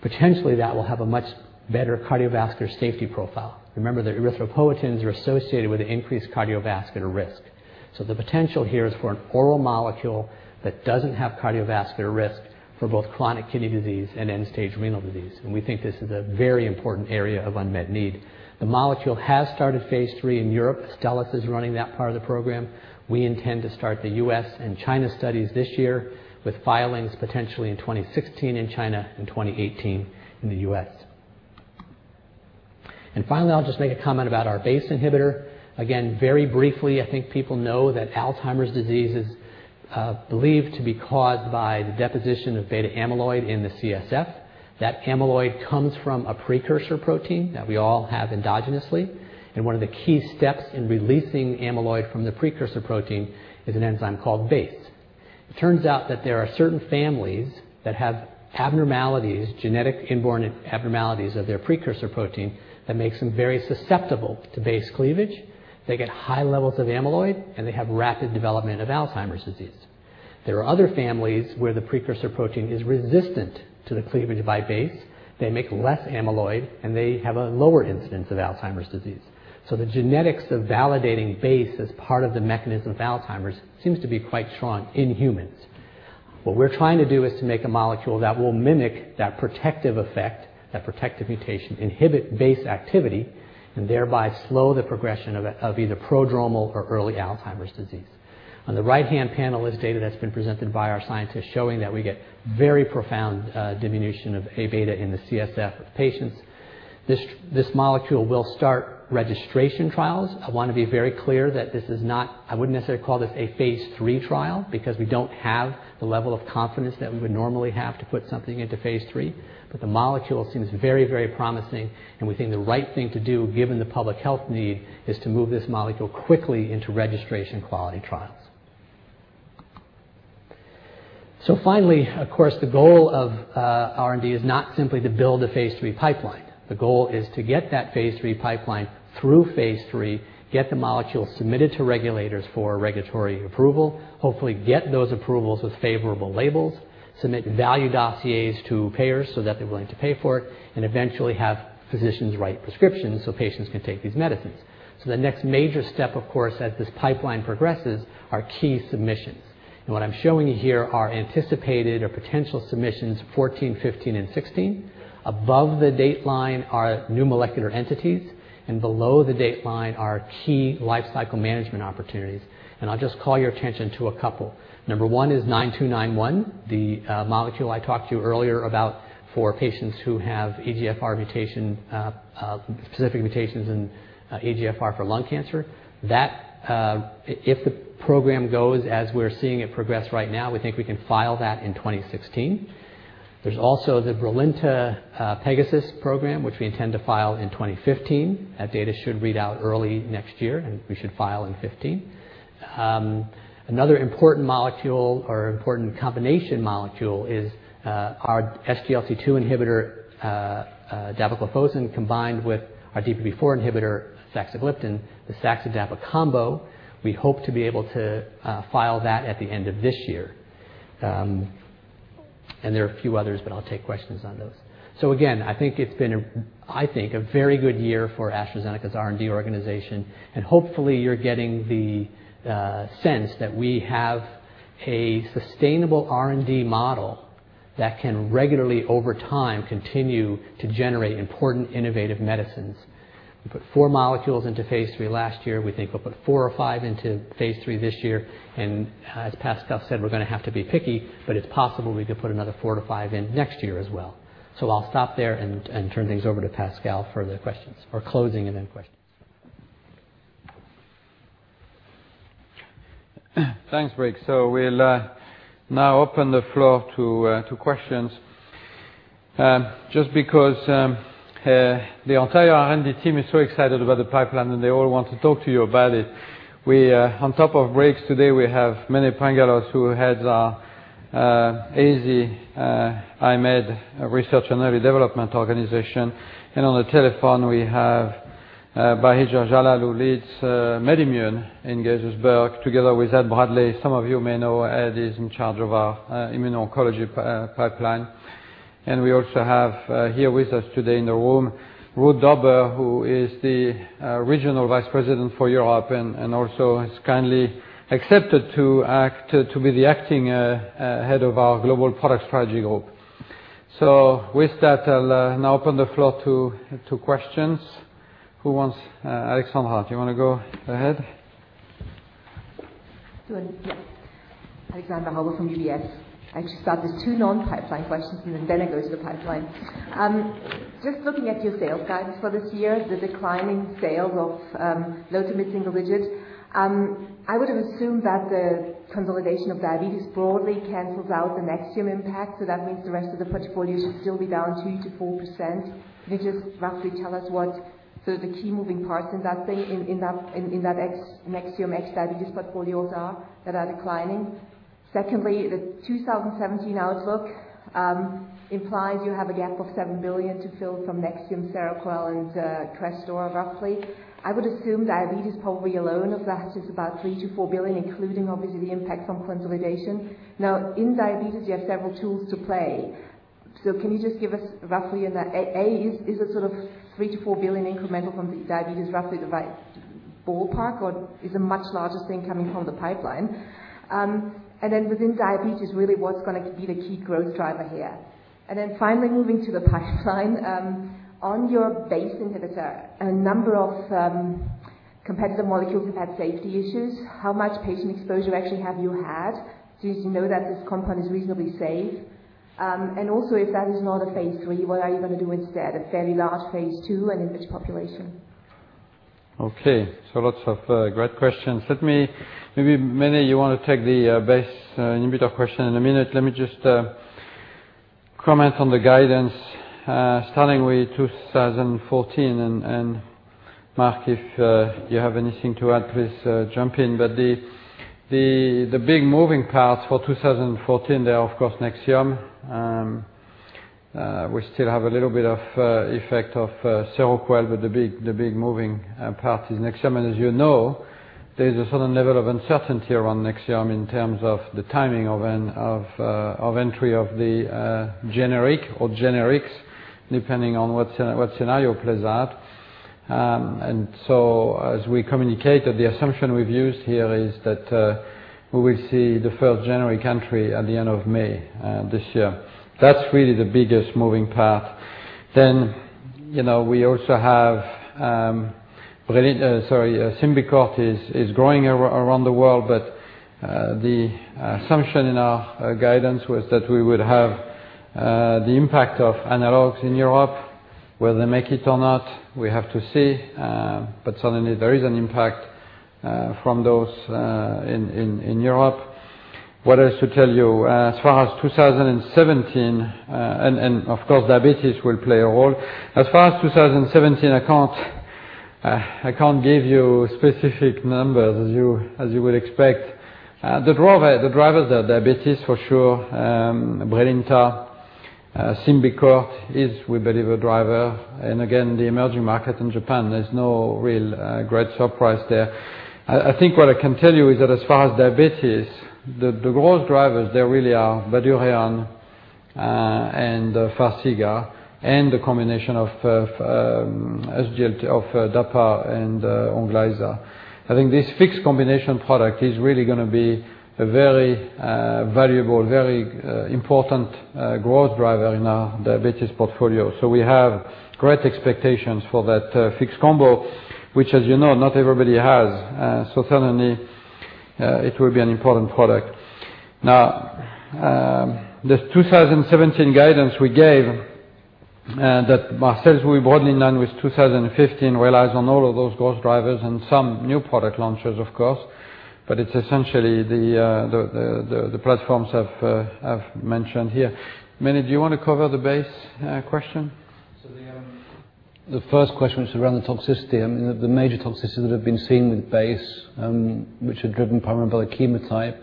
Potentially, that will have a much better cardiovascular safety profile. Remember that erythropoietins are associated with increased cardiovascular risk. The potential here is for an oral molecule that does not have cardiovascular risk for both chronic kidney disease and end-stage renal disease, and we think this is a very important area of unmet need. The molecule has started phase III in Europe. Astellas is running that part of the program. We intend to start the U.S. and China studies this year, with filings potentially in 2016 in China and 2018 in the U.S. Finally, I'll just make a comment about our BACE inhibitor. Very briefly, I think people know that Alzheimer's disease is believed to be caused by the deposition of beta amyloid in the CSF. That amyloid comes from a precursor protein that we all have endogenously. One of the key steps in releasing amyloid from the precursor protein is an enzyme called BACE. It turns out that there are certain families that have abnormalities, genetic inborn abnormalities of their precursor protein that makes them very susceptible to BACE cleavage. They get high levels of amyloid, and they have rapid development of Alzheimer's disease. There are other families where the precursor protein is resistant to the cleavage by BACE. They make less amyloid, and they have a lower incidence of Alzheimer's disease. The genetics of validating BACE as part of the mechanism of Alzheimer's seems to be quite strong in humans. What we're trying to do is to make a molecule that will mimic that protective effect, that protective mutation, inhibit BACE activity, and thereby slow the progression of either prodromal or early Alzheimer's disease. On the right-hand panel is data that's been presented by our scientists showing that we get very profound diminution of A-beta in the CSF of patients. This molecule will start registration trials. I want to be very clear that I wouldn't necessarily call this a phase III trial because we don't have the level of confidence that we would normally have to put something into phase III, but the molecule seems very promising, and we think the right thing to do, given the public health need, is to move this molecule quickly into registration quality trials. Finally, of course, the goal of R&D is not simply to build a phase III pipeline. The goal is to get that phase III pipeline through phase III, get the molecule submitted to regulators for regulatory approval, hopefully get those approvals with favorable labels, submit value dossiers to payers so that they're willing to pay for it, and eventually have physicians write prescriptions so patients can take these medicines. The next major step, of course, as this pipeline progresses, are key submissions. What I'm showing you here are anticipated or potential submissions 2014, 2015, and 2016. Above the dateline are new molecular entities, and below the dateline are key life cycle management opportunities. I'll just call your attention to a couple. Number 1 is 9291, the molecule I talked to you earlier about for patients who have EGFR mutation, specific mutations in EGFR for lung cancer. That, if the program goes as we're seeing it progress right now, we think we can file that in 2016. There's also the BRILINTA PEGASUS program, which we intend to file in 2015. That data should read out early next year, and we should file in 2015. Another important molecule or important combination molecule is our SGLT2 inhibitor, dapagliflozin, combined with our DPP-4 inhibitor, saxagliptin, the Saxdapa combo. We hope to be able to file that at the end of this year. There are a few others, but I'll take questions on those. Again, I think it's been, I think, a very good year for AstraZeneca's R&D organization, and hopefully you're getting the sense that we have a sustainable R&D model that can regularly, over time, continue to generate important innovative medicines. We put 4 molecules into phase III last year. We think we'll put 4 or 5 into phase III this year, and as Pascal said, we're going to have to be picky, but it's possible we could put another 4 to 5 in next year as well. I'll stop there and turn things over to Pascal for the questions, or closing and then questions. Thanks, Briggs. We'll now open the floor to questions. Just because the entire R&D team is so excited about the pipeline, and they all want to talk to you about it, on top of Briggs today, we have Mene Pangalos, who heads our AZ IMED Research and Early Development organization. On the telephone, we have Bahija Jallal, who leads MedImmune in Gaithersburg, together with Ed Bradley. Some of you may know Ed is in charge of our immuno-oncology pipeline. We also have here with us today in the room, Ruud Dobber, who is the Regional Vice President for Europe and also has kindly accepted to be the acting head of our global product strategy group. With that, I'll now open the floor to questions. Who wants—Alexandra, do you want to go ahead? Sure, yeah. Alexandra Hauber from UBS. I'll just start with 2 non-pipeline questions, and then go to the pipeline. Just looking at your sales guidance for this year, the declining sales of low to mid-single digits, I would've assumed that the consolidation of diabetes broadly cancels out the NEXIUM impact, that means the rest of the portfolio should still be down 2%-4%. Can you just roughly tell us what the key moving parts in that thing, in that ex-NEXIUM, ex-diabetes portfolios are that are declining? Secondly, the 2017 outlook implies you have a gap of $7 billion to fill from NEXIUM, Seroquel, and CRESTOR, roughly. I would assume diabetes probably alone of that is about $3 billion-$4 billion, including obviously the impact from consolidation. In diabetes, you have several tools to play. Can you just give us roughly, A, is sort of $3 billion-$4 billion incremental from diabetes roughly the right ballpark, or is a much larger thing coming from the pipeline? Then within diabetes, really what's going to be the key growth driver here? Then finally moving to the pipeline. On your BACE inhibitor, a number of competitive molecules have had safety issues. How much patient exposure actually have you had to know that this compound is reasonably safe? Also, if that is not a phase III, what are you going to do instead? A fairly large phase II in each population. Mene Pangalos, you want to take the BACE inhibitor question in a minute. Let me just comment on the guidance, starting with 2014, and Marc Dunoyer, if you have anything to add, please jump in. But the big moving parts for 2014, they are, of course, NEXIUM. We still have a little bit of effect of Seroquel, but the big moving part is NEXIUM. As you know, there's a certain level of uncertainty around NEXIUM in terms of the timing of entry of the generic or generics, depending on what scenario plays out. As we communicated, the assumption we've used here is that we will see the first generic entry at the end of May this year. That's really the biggest moving part. We also have SYMBICORT is growing around the world, but the assumption in our guidance was that we would have the impact of analogs in Europe. Whether they make it or not, we have to see. But certainly, there is an impact from those in Europe. What else to tell you? As far as 2017, and of course, diabetes will play a role. As far as 2017, I can't give you specific numbers as you would expect. The drivers are diabetes, for sure, BRILINTA. SYMBICORT is, we believe, a driver. And again, the emerging market in Japan, there's no real great surprise there. I think what I can tell you is that as far as diabetes, the growth drivers, they really are Voydeya and FARXIGA and the combination of Dapa and ONGLYZA. This fixed combination product is really going to be a very valuable, very important growth driver in our diabetes portfolio. We have great expectations for that fixed combo, which, as you know, not everybody has. Certainly, it will be an important product. The 2017 guidance we gave that our sales will be broadly in line with 2015 relies on all of those growth drivers and some new product launches, of course. But it's essentially the platforms I've mentioned here. Mene Pangalos, do you want to cover the BACE question? The first question was around the toxicity. I mean, the major toxicities that have been seen with BACE, which are driven primarily by the chemotype,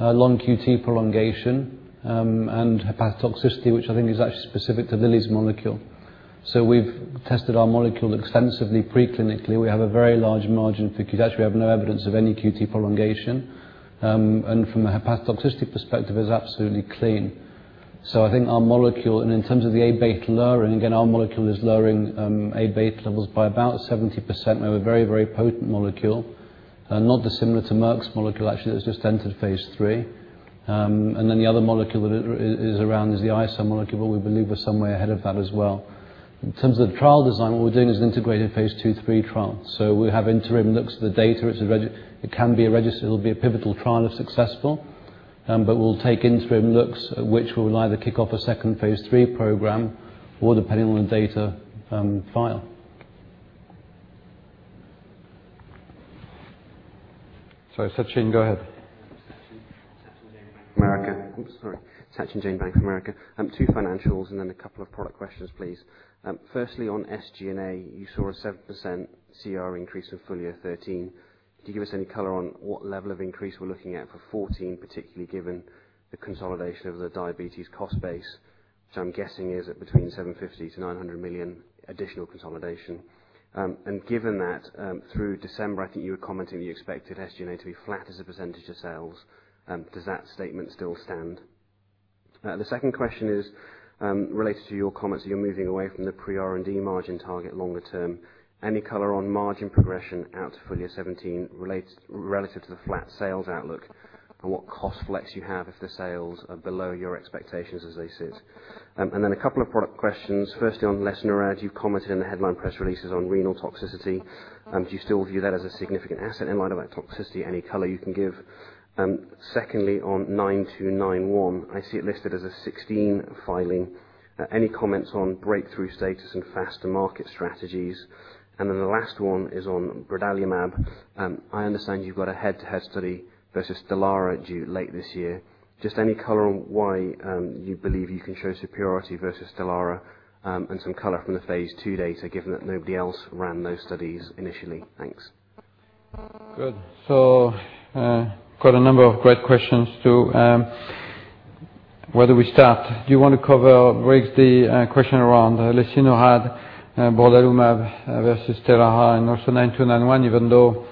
long QT prolongation and hepatotoxicity, which I think is actually specific to Lilly's molecule. We've tested our molecule extensively pre-clinically. We have a very large margin of safety. Actually, we have no evidence of any QT prolongation. And from a hepatotoxicity perspective, it is absolutely clean. I think our molecule, and in terms of the A-beta lowering, again, our molecule is lowering A-beta levels by about 70%. We have a very potent molecule, not dissimilar to Merck's molecule, actually, that's just entered phase III. And then the other molecule that is around is the Eisai molecule, but we believe we're somewhere ahead of that as well. In terms of trial design, what we're doing is an integrated phase II/III trial. We have interim looks at the data. It'll be a pivotal trial if successful. We'll take interim looks at which we'll either kick off a second phase III program or depending on the data file. Sorry, Sachin, go ahead. Sachin Jain, Bank of America. Oops, sorry. Sachin Jain, Bank of America. Two financials and then a couple of product questions, please. Firstly, on SG&A, you saw a 7% CR increase for full year 2013. Can you give us any color on what level of increase we're looking at for 2014, particularly given the consolidation of the diabetes cost base, which I'm guessing is at between $750 million to $900 million additional consolidation? Given that through December, I think you were commenting you expected SG&A to be flat as a percentage of sales. Does that statement still stand? The second question is related to your comments that you're moving away from the pre-R&D margin target longer term. Any color on margin progression out to full year 2017 relative to the flat sales outlook, and what cost flex you have if the sales are below your expectations as they sit? Then a couple of product questions. Firstly, on lesinurad, you commented in the headline press releases on renal toxicity. Do you still view that as a significant asset in light of that toxicity? Any color you can give? Secondly, on 9291, I see it listed as a 2016 filing. Any comments on breakthrough status and faster market strategies? Then the last one is on brodalumab. I understand you've got a head-to-head study versus STELARA due late this year. Just any color on why you believe you can show superiority versus STELARA and some color from the phase II data, given that nobody else ran those studies initially. Thanks. Quite a number of great questions too. Where do we start? Do you want to cover, Briggs, the question around lesinurad brodalumab versus STELARA and also 9291, even though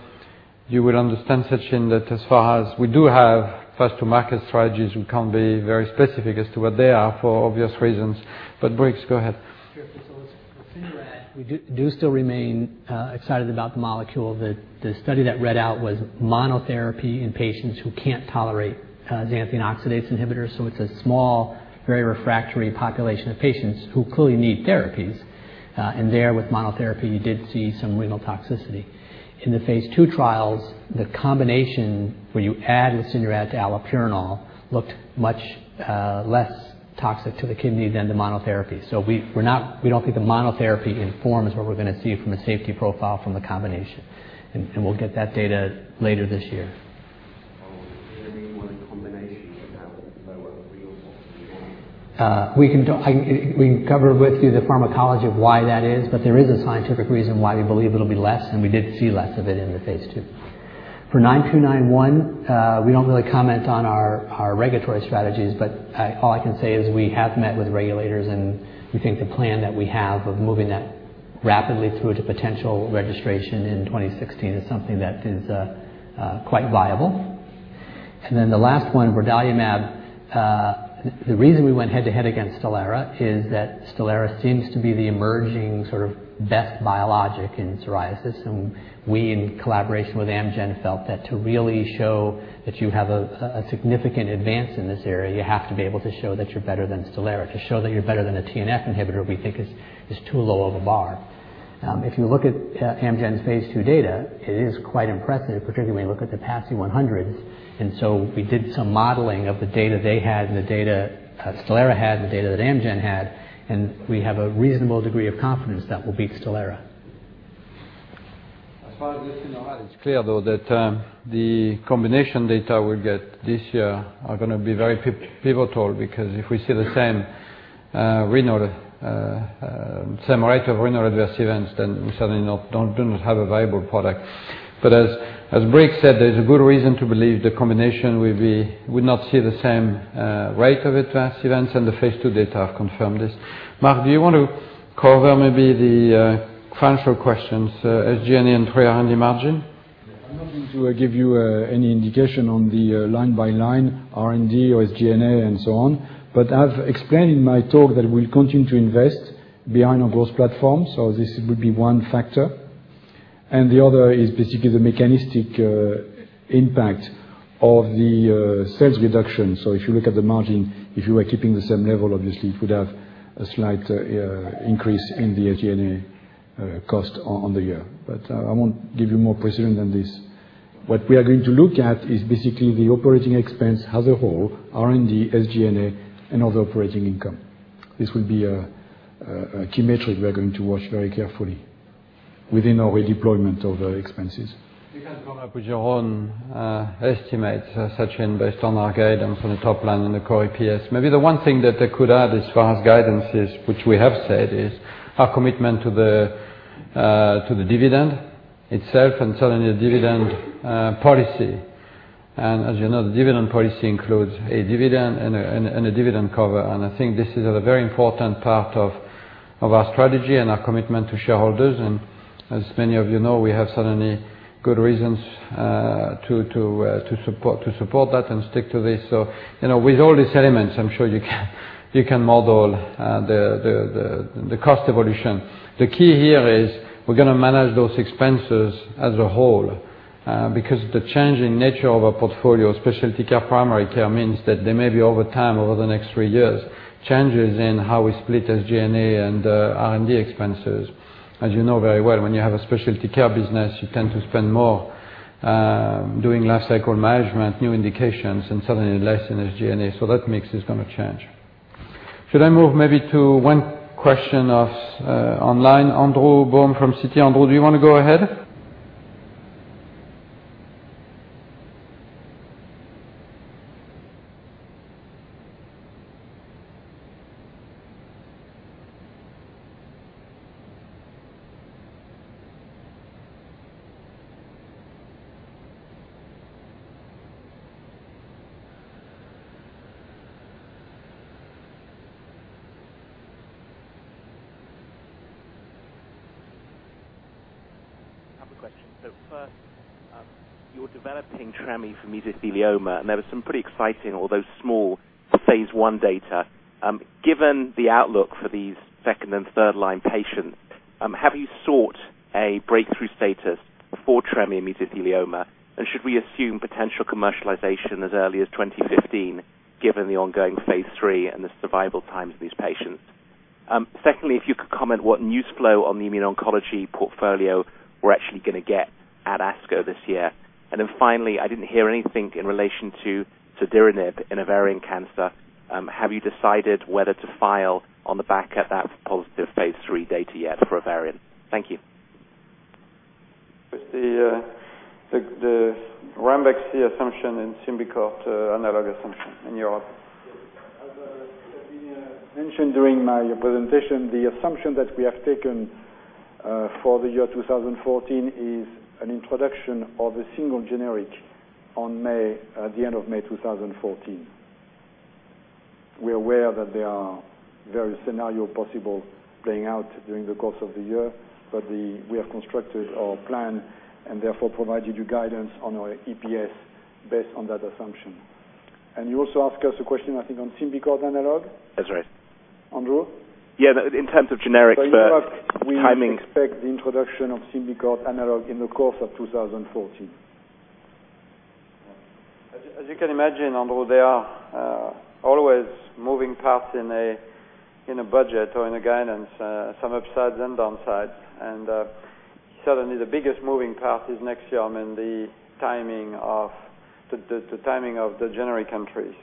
you will understand, Sachin, that as far as we do have first-to-market strategies, we can't be very specific as to what they are for obvious reasons. Briggs, go ahead. Sure. For lesinurad, we do still remain excited about the molecule. The study that read out was monotherapy in patients who can't tolerate xanthine oxidase inhibitors. It's a small, very refractory population of patients who clearly need therapies. There, with monotherapy, you did see some renal toxicity. In the phase II trials, the combination where you add lesinurad to allopurinol looked much less toxic to the kidney than the monotherapy. We don't think the monotherapy informs what we're going to see from a safety profile from the combination. We'll get that data later this year. Oh, you didn't need more of the combination to have a lower renal toxicity level? We can cover with you the pharmacology of why that is, there is a scientific reason why we believe it'll be less, and we did see less of it in the phase II. For 9291, we don't really comment on our regulatory strategies, all I can say is we have met with regulators, and we think the plan that we have of moving that rapidly through to potential registration in 2016 is something that is quite viable. Then the last one, brodalumab. The reason we went head-to-head against STELARA is that STELARA seems to be the emerging sort of best biologic in psoriasis. We, in collaboration with Amgen, felt that to really show that you have a significant advance in this area, you have to be able to show that you're better than STELARA. To show that you're better than a TNF inhibitor, we think, is too low of a bar. If you look at Amgen's phase II data, it is quite impressive, particularly when you look at the PASI 100s. We did some modeling of the data they had and the data STELARA had and the data that Amgen had, and we have a reasonable degree of confidence that we'll beat STELARA. As far as lesinurad, it's clear though that the combination data we'll get this year are going to be very pivotal because if we see the same rate of renal adverse events, we certainly do not have a viable product. As Briggs said, there's a good reason to believe the combination would not see the same rate of adverse events, and the phase II data have confirmed this. Marc, do you want to cover maybe the financial questions, as SG&A and three are on the margin? I'm not going to give you any indication on the line-by-line R&D or SG&A and so on. I've explained in my talk that we'll continue to invest behind our growth platform, so this would be one factor. The other is basically the mechanistic impact of the sales reduction. If you look at the margin, if you were keeping the same level, obviously, it would have a slight increase in the SG&A cost on the year. I won't give you more precision than this. What we are going to look at is basically the operating expense as a whole, R&D, SG&A, and other operating income. This will be a key metric we are going to watch very carefully within our redeployment of expenses. You can come up with your own estimates, Sachin, based on our guidance on the top line and the core EPS. Maybe the one thing that I could add as far as guidance is, which we have said, is our commitment to the dividend itself and certainly the dividend policy. As you know, the dividend policy includes a dividend and a dividend cover, and I think this is a very important part of our strategy and our commitment to shareholders. As many of you know, we have certainly good reasons to support that and stick to this. With all these elements, I'm sure you can model the cost evolution. The key here is we're going to manage those expenses as a whole. Because the changing nature of our portfolio, specialty care, primary care, means that there may be over time, over the next three years, changes in how we split SG&A and R&D expenses. As you know very well, when you have a specialty care business, you tend to spend more doing life cycle management, new indications, and certainly less in SG&A. That mix is going to change. Should I move maybe to one question of online? Andrew Baum from Citi. Andrew, do you want to go ahead? I have a question. First, you're developing tremi for mesothelioma, and there was some pretty exciting, although small, phase I data. Given the outlook for these second and third-line patients, have you sought a breakthrough status for tremi in mesothelioma? Should we assume potential commercialization as early as 2015 given the ongoing phase III and the survival times of these patients? Secondly, if you could comment what news flow on the immuno-oncology portfolio we're actually going to get at ASCO this year. Finally, I didn't hear anything in relation to cediranib in ovarian cancer. Have you decided whether to file on the back of that positive phase III data yet for ovarian? Thank you. The Ranbaxy assumption and SYMBICORT analog assumption in Europe. As Pascal mentioned during my presentation, the assumption that we have taken for the year 2014 is an introduction of a single generic at the end of May 2014. We're aware that there are various scenarios possible playing out during the course of the year, we have constructed our plan and therefore provided you guidance on our EPS based on that assumption. You also asked us a question, I think, on SYMBICORT analog. That's right. Andrew? Yeah. In terms of generics. In Europe, we expect the introduction of SYMBICORT analog in the course of 2014. As you can imagine, Andrew, there are always moving parts in a budget or in a guidance, some upsides and downsides. Certainly, the biggest moving part is NEXIUM and the timing of the generic entry.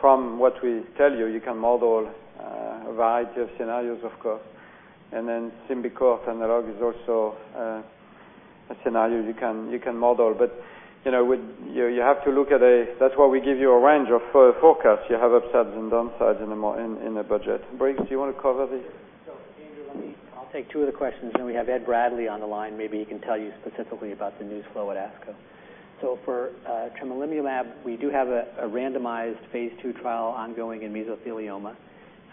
From what we tell you can model a variety of scenarios, of course. Then SYMBICORT analog is also a scenario you can model. You have to look at That's why we give you a range of forecasts. You have upsides and downsides in the budget. Craig, do you want to cover this? Andrew, I'll take two of the questions. We have Ed Bradley on the line. Maybe he can tell you specifically about the news flow at ASCO. For tremelimumab, we do have a randomized phase II trial ongoing in mesothelioma.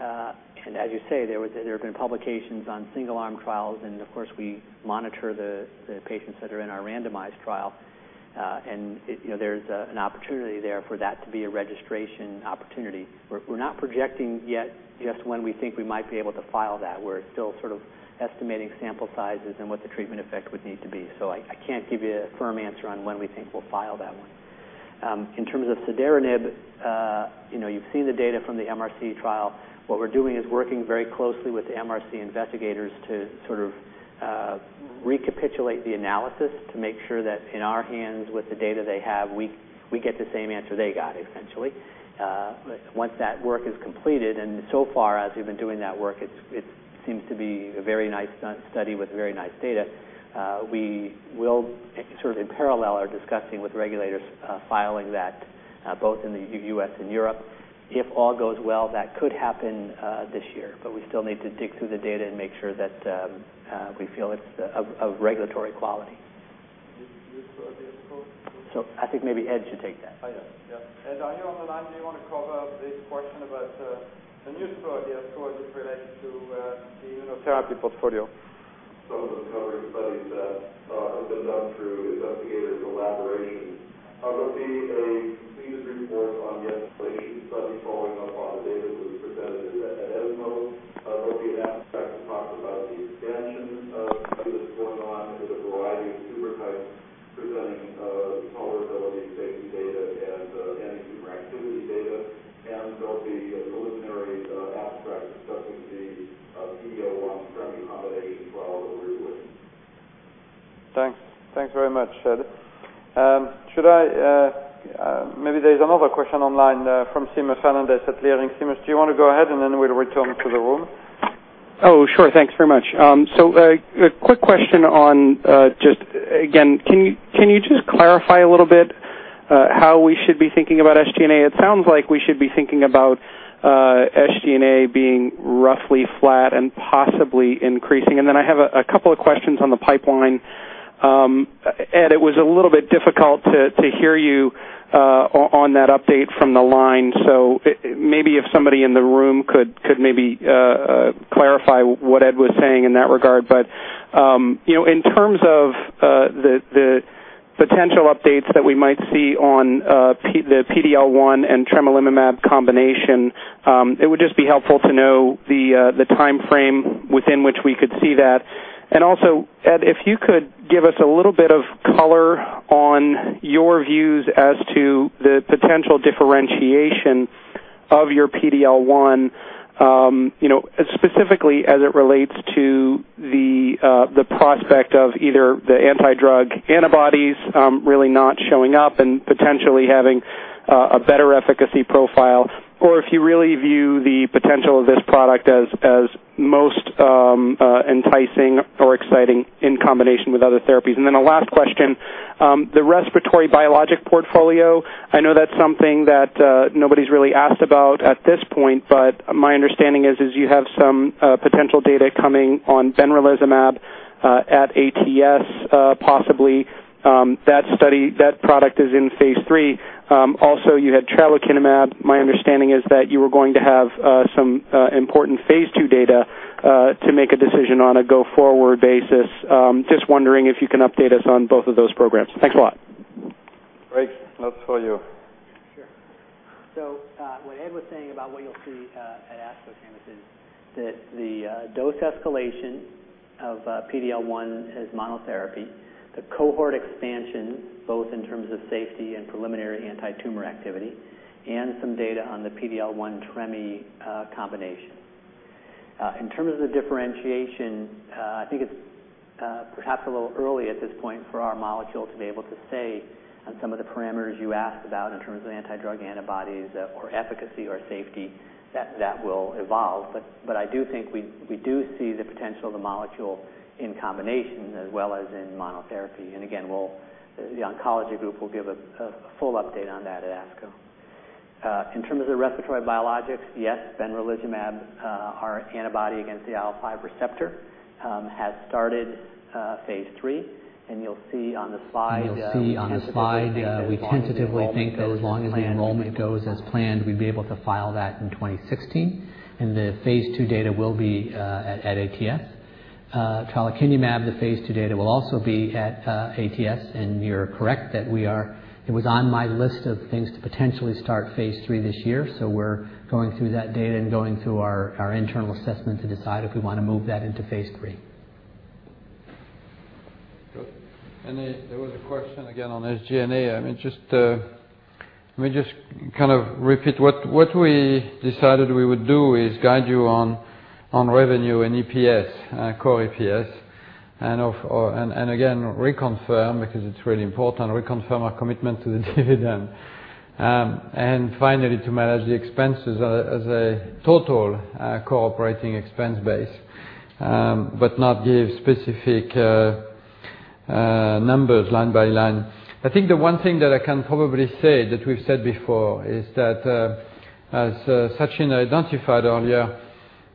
As you say, there have been publications on single-arm trials, and of course, we monitor the patients that are in our randomized trial. There's an opportunity there for that to be a registration opportunity. We're not projecting yet just when we think we might be able to file that. We're still sort of estimating sample sizes and what the treatment effect would need to be. I can't give you a firm answer on when we think we'll file that one. In terms of the cediranib, you've seen the data from the MRC trial. What we're doing is working very closely with the MRC investigators to sort of recapitulate the analysis to make sure that in our hands with the data they have, we get the same answer they got essentially. Once that work is completed, and so far as we've been doing that work, it seems to be a very nice study with very nice data. We will sort of in parallel are discussing with regulators filing that both in the U.S. and Europe. If all goes well, that could happen this year, but we still need to dig through the data and make sure that we feel it's of regulatory quality. The news flow at ASCO. I think maybe Ed should take that. Oh, yes. Ed, are you on the line? Do you want to cover this question about the news flow at ASCO as it relates to the immunotherapy portfolio? Some of those coverage studies that have been done through investigators' collaborations. There'll be a completed report on the escalation study following up on the data that was presented at ESMO. There'll be an abstract to talk about the expansion of the study that's going on into the variety of tumor types presenting tolerability and safety data and anti-tumor activity data. There'll be a preliminary abstract discussing the PD-L1 tremi combination trial that we're doing. Thanks very much, Ed. Maybe there's another question online from Seamus Fernandez at Leerink. Seamus, do you want to go ahead, and then we'll return to the room? Oh, sure. Thanks very much. A quick question on just again, can you just clarify a little bit how we should be thinking about SG&A? It sounds like we should be thinking about SG&A being roughly flat and possibly increasing. Then I have a couple of questions on the pipeline. Ed, it was a little bit difficult to hear you on that update from the line. Maybe if somebody in the room could maybe clarify what Ed was saying in that regard. In terms of the potential updates that we might see on the PD-L1 and tremelimumab combination, it would just be helpful to know the time frame within which we could see that. Also, Ed, if you could give us a little bit of color on your views as to the potential differentiation of your PD-L1 specifically as it relates to the prospect of either the anti-drug antibodies really not showing up and potentially having a better efficacy profile, or if you really view the potential of this product as most enticing or exciting in combination with other therapies. Then a last question, the respiratory biologic portfolio. I know that's something that nobody's really asked about at this point, but my understanding is you have some potential data coming on benralizumab at ATS, possibly. That product is in phase III. Also, you had tralokinumab. My understanding is that you were going to have some important phase II data to make a decision on a go-forward basis. Just wondering if you can update us on both of those programs. Thanks a lot. Craig, that's for you. What Ed was saying about what you'll see at ASCO, Seamus, is that the dose escalation of PD-L1 as monotherapy, the cohort expansion, both in terms of safety and preliminary anti-tumor activity, and some data on the PD-L1 tremi combination. In terms of the differentiation, I think it's perhaps a little early at this point for our molecule to be able to say on some of the parameters you asked about in terms of anti-drug antibodies or efficacy or safety. That will evolve. I do think we do see the potential of the molecule in combination as well as in monotherapy. Again, the oncology group will give a full update on that at ASCO. In terms of the respiratory biologics, yes, benralizumab, our antibody against the IL-5 receptor, has started phase III. You'll see on the slide, we tentatively think that as long as the enrollment goes as planned, we'd be able to file that in 2016. The phase II data will be at ATS. Tralokinumab, the phase II data will also be at ATS. You're correct that it was on my list of things to potentially start phase III this year. We're going through that data and going through our internal assessment to decide if we want to move that into phase III. Good. There was a question again on SG&A. Let me just kind of repeat. What we decided we would do is guide you on revenue and EPS, core EPS. Again, reconfirm, because it's really important, reconfirm our commitment to the dividend. Finally, to manage the expenses as a total cooperating expense base but not give specific numbers line by line. I think the one thing that I can probably say that we've said before is that as Sachin identified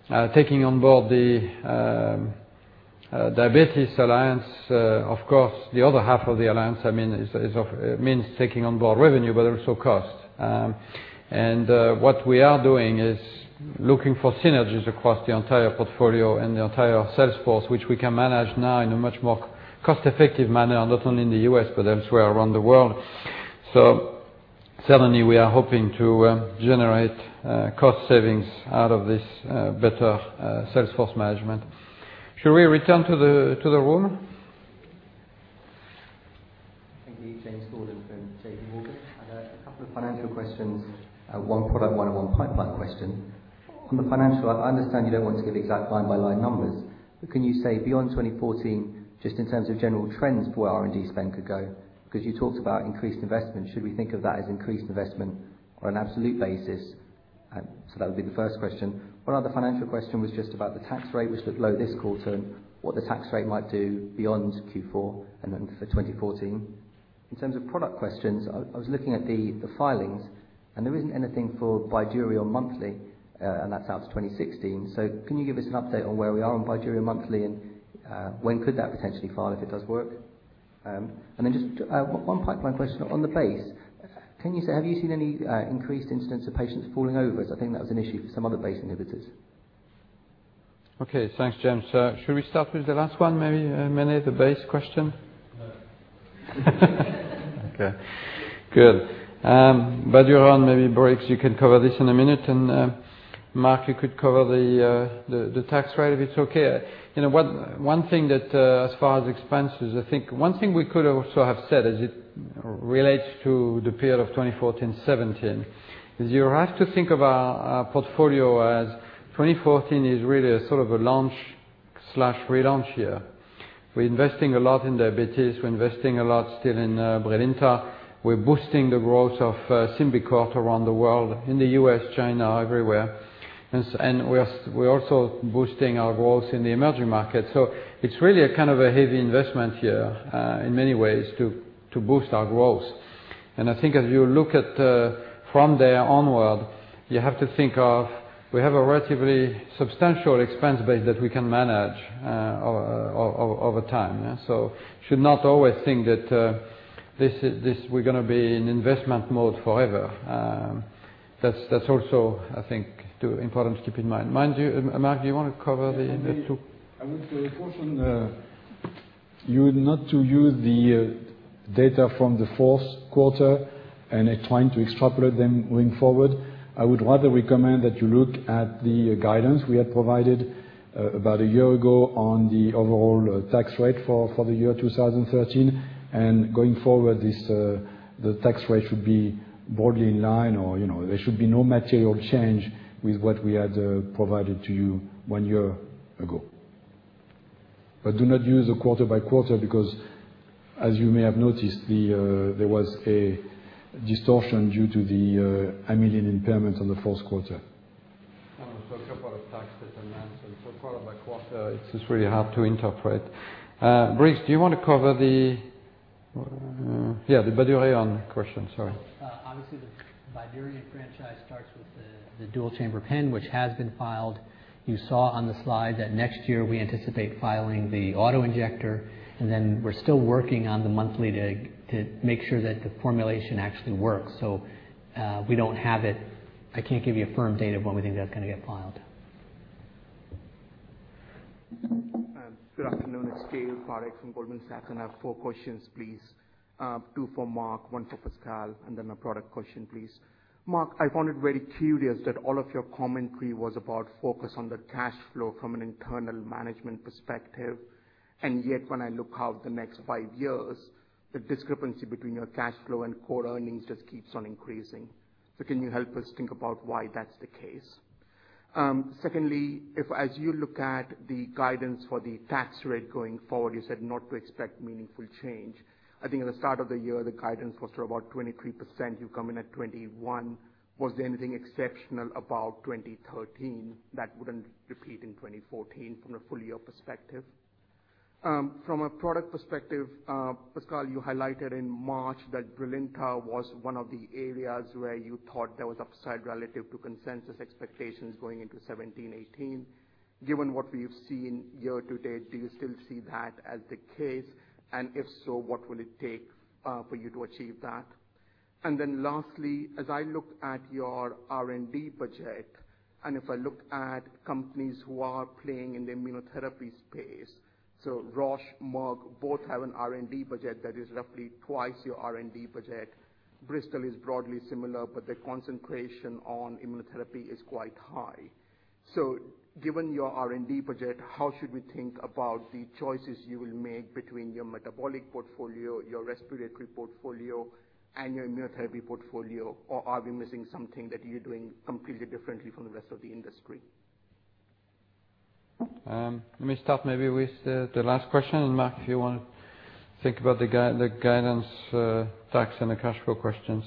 earlier, taking on board the Diabetes Alliance, of course, the other half of the alliance means taking on board revenue, but also cost. What we are doing is looking for synergies across the entire portfolio and the entire sales force, which we can manage now in a much more cost-effective manner, not only in the U.S., but elsewhere around the world. Certainly, we are hoping to generate cost savings out of this better sales force management. Should we return to the room? Thank you. James Gordon from JPMorgan. I had a couple of financial questions, one product one and one pipeline question. On the financial, I understand you don't want to give exact line-by-line numbers, but can you say beyond 2014, just in terms of general trends, where R&D spend could go? Because you talked about increased investment. Should we think of that as increased investment on an absolute basis? That would be the first question. One other financial question was just about the tax rate, which looked low this quarter, what the tax rate might do beyond Q4 and then for 2014. In terms of product questions, I was looking at the filings, and there isn't anything for Bydureon monthly, and that's out to 2016. Can you give us an update on where we are on Bydureon monthly and when could that potentially file if it does work? Just one pipeline question on the BACE. Have you seen any increased incidents of patients falling over, as I think that was an issue for some other BACE inhibitors? Okay. Thanks, James. Should we start with the last one, maybe, Mene, the BACE question? No. Okay, good. Bydureon, maybe Briggs, you can cover this in a minute. Marc, you could cover the tax rate, if it's okay. One thing that as far as expenses, I think one thing we could also have said as it relates to the period of 2014 to 2017, is you have to think of our portfolio as 2014 is really a sort of a launch/relaunch year. We're investing a lot in diabetes. We're investing a lot still in BRILINTA. We're boosting the growth of SYMBICORT around the world, in the U.S., China, everywhere. We're also boosting our growth in the emerging market. It's really a kind of a heavy investment year in many ways to boost our growth. I think as you look at from there onward, you have to think of we have a relatively substantial expense base that we can manage over time. Should not always think that we're going to be in investment mode forever. That's also, I think, important to keep in mind. Mind you, Marc, do you want to cover the two? Yes. I want to caution you not to use the data from the fourth quarter and trying to extrapolate them going forward. I would rather recommend that you look at the guidance we had provided about a year ago on the overall tax rate for the year 2013. Going forward, the tax rate should be broadly in line or there should be no material change with what we had provided to you one year ago. Do not use quarter by quarter because, as you may have noticed, there was a distortion due to the MedImmune impairment on the fourth quarter. A couple of tax determinants. Quarter by quarter, it's just really hard to interpret. Briggs, do you want to cover the Bydureon question? Sorry. Obviously, the Bydureon franchise starts with the dual-chamber pen, which has been filed. You saw on the slide that next year we anticipate filing the auto-injector, and then we're still working on the monthly to make sure that the formulation actually works. We don't have it. I can't give you a firm date of when we think that's going to get filed. Good afternoon. It's Parekh from Goldman Sachs. I have four questions, please. Two for Marc, one for Pascal, and then a product question, please. Marc, I found it very curious that all of your commentary was about focus on the cash flow from an internal management perspective. When I look out the next five years, the discrepancy between your cash flow and core earnings just keeps on increasing. Can you help us think about why that's the case? Secondly, as you look at the guidance for the tax rate going forward, you said not to expect meaningful change. I think at the start of the year, the guidance was for about 23%. You've come in at 21%. Was there anything exceptional about 2013 that wouldn't repeat in 2014 from a full year perspective? From a product perspective, Pascal, you highlighted in March that BRILINTA was one of the areas where you thought there was upside relative to consensus expectations going into 2017, 2018. Given what we've seen year-to-date, do you still see that as the case? If so, what will it take for you to achieve that? Lastly, as I look at your R&D budget, if I look at companies who are playing in the immunotherapy space, Roche, Merck both have an R&D budget that is roughly twice your R&D budget. Bristol is broadly similar, but their concentration on immunotherapy is quite high. Given your R&D budget, how should we think about the choices you will make between your metabolic portfolio, your respiratory portfolio, and your immunotherapy portfolio? Or are we missing something that you're doing completely differently from the rest of the industry? Let me start maybe with the last question, Marc, if you want to think about the guidance facts and the cash flow questions.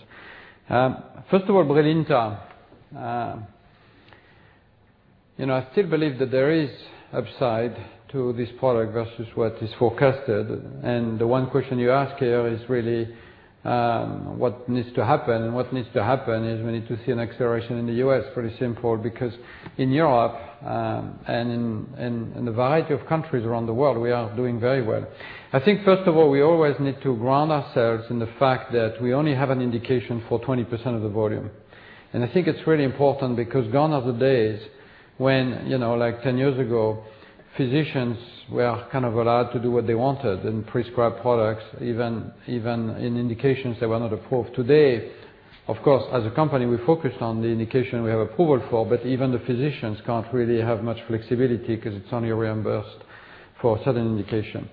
First of all, BRILINTA. I still believe that there is upside to this product versus what is forecasted. The one question you ask here is really what needs to happen? What needs to happen is we need to see an acceleration in the U.S., pretty simple, because in Europe and in a variety of countries around the world, we are doing very well. I think, first of all, we always need to ground ourselves in the fact that we only have an indication for 20% of the volume. I think it's really important because gone are the days when, like 10 years ago, physicians were allowed to do what they wanted and prescribe products, even in indications that were not approved. Today, of course, as a company, we focus on the indication we have approval for, even the physicians can't really have much flexibility because it's only reimbursed for certain indication.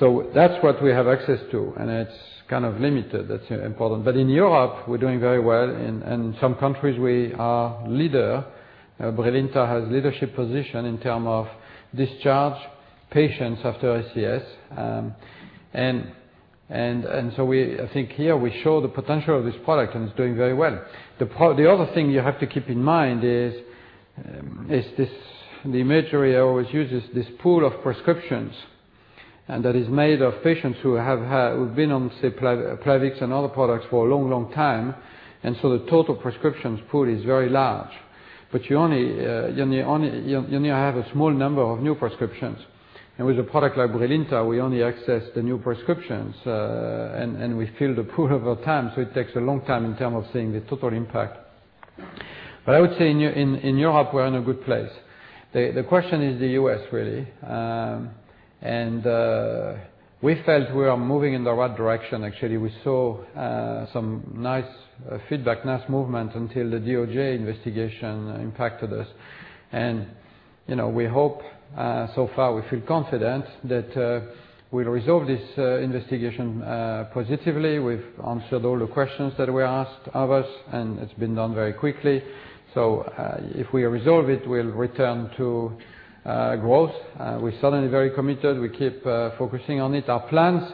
That's what we have access to, and it's limited. That's important. In Europe, we're doing very well. In some countries, we are leader. BRILINTA has leadership position in term of discharge patients after ACS. I think here we show the potential of this product, and it's doing very well. The other thing you have to keep in mind is the imagery I always use is this pool of prescriptions, and that is made of patients who've been on, say, Plavix and other products for a long, long time. The total prescriptions pool is very large. You only have a small number of new prescriptions. With a product like BRILINTA, we only access the new prescriptions, and we fill the pool over time, so it takes a long time in term of seeing the total impact. I would say in Europe, we're in a good place. The question is the U.S., really. We felt we are moving in the right direction, actually. We saw some nice feedback, nice movement until the DOJ investigation impacted us. We hope, so far we feel confident that we'll resolve this investigation positively. We've answered all the questions that were asked of us, and it's been done very quickly. If we resolve it, we'll return to growth. We're certainly very committed. We keep focusing on it. Our plans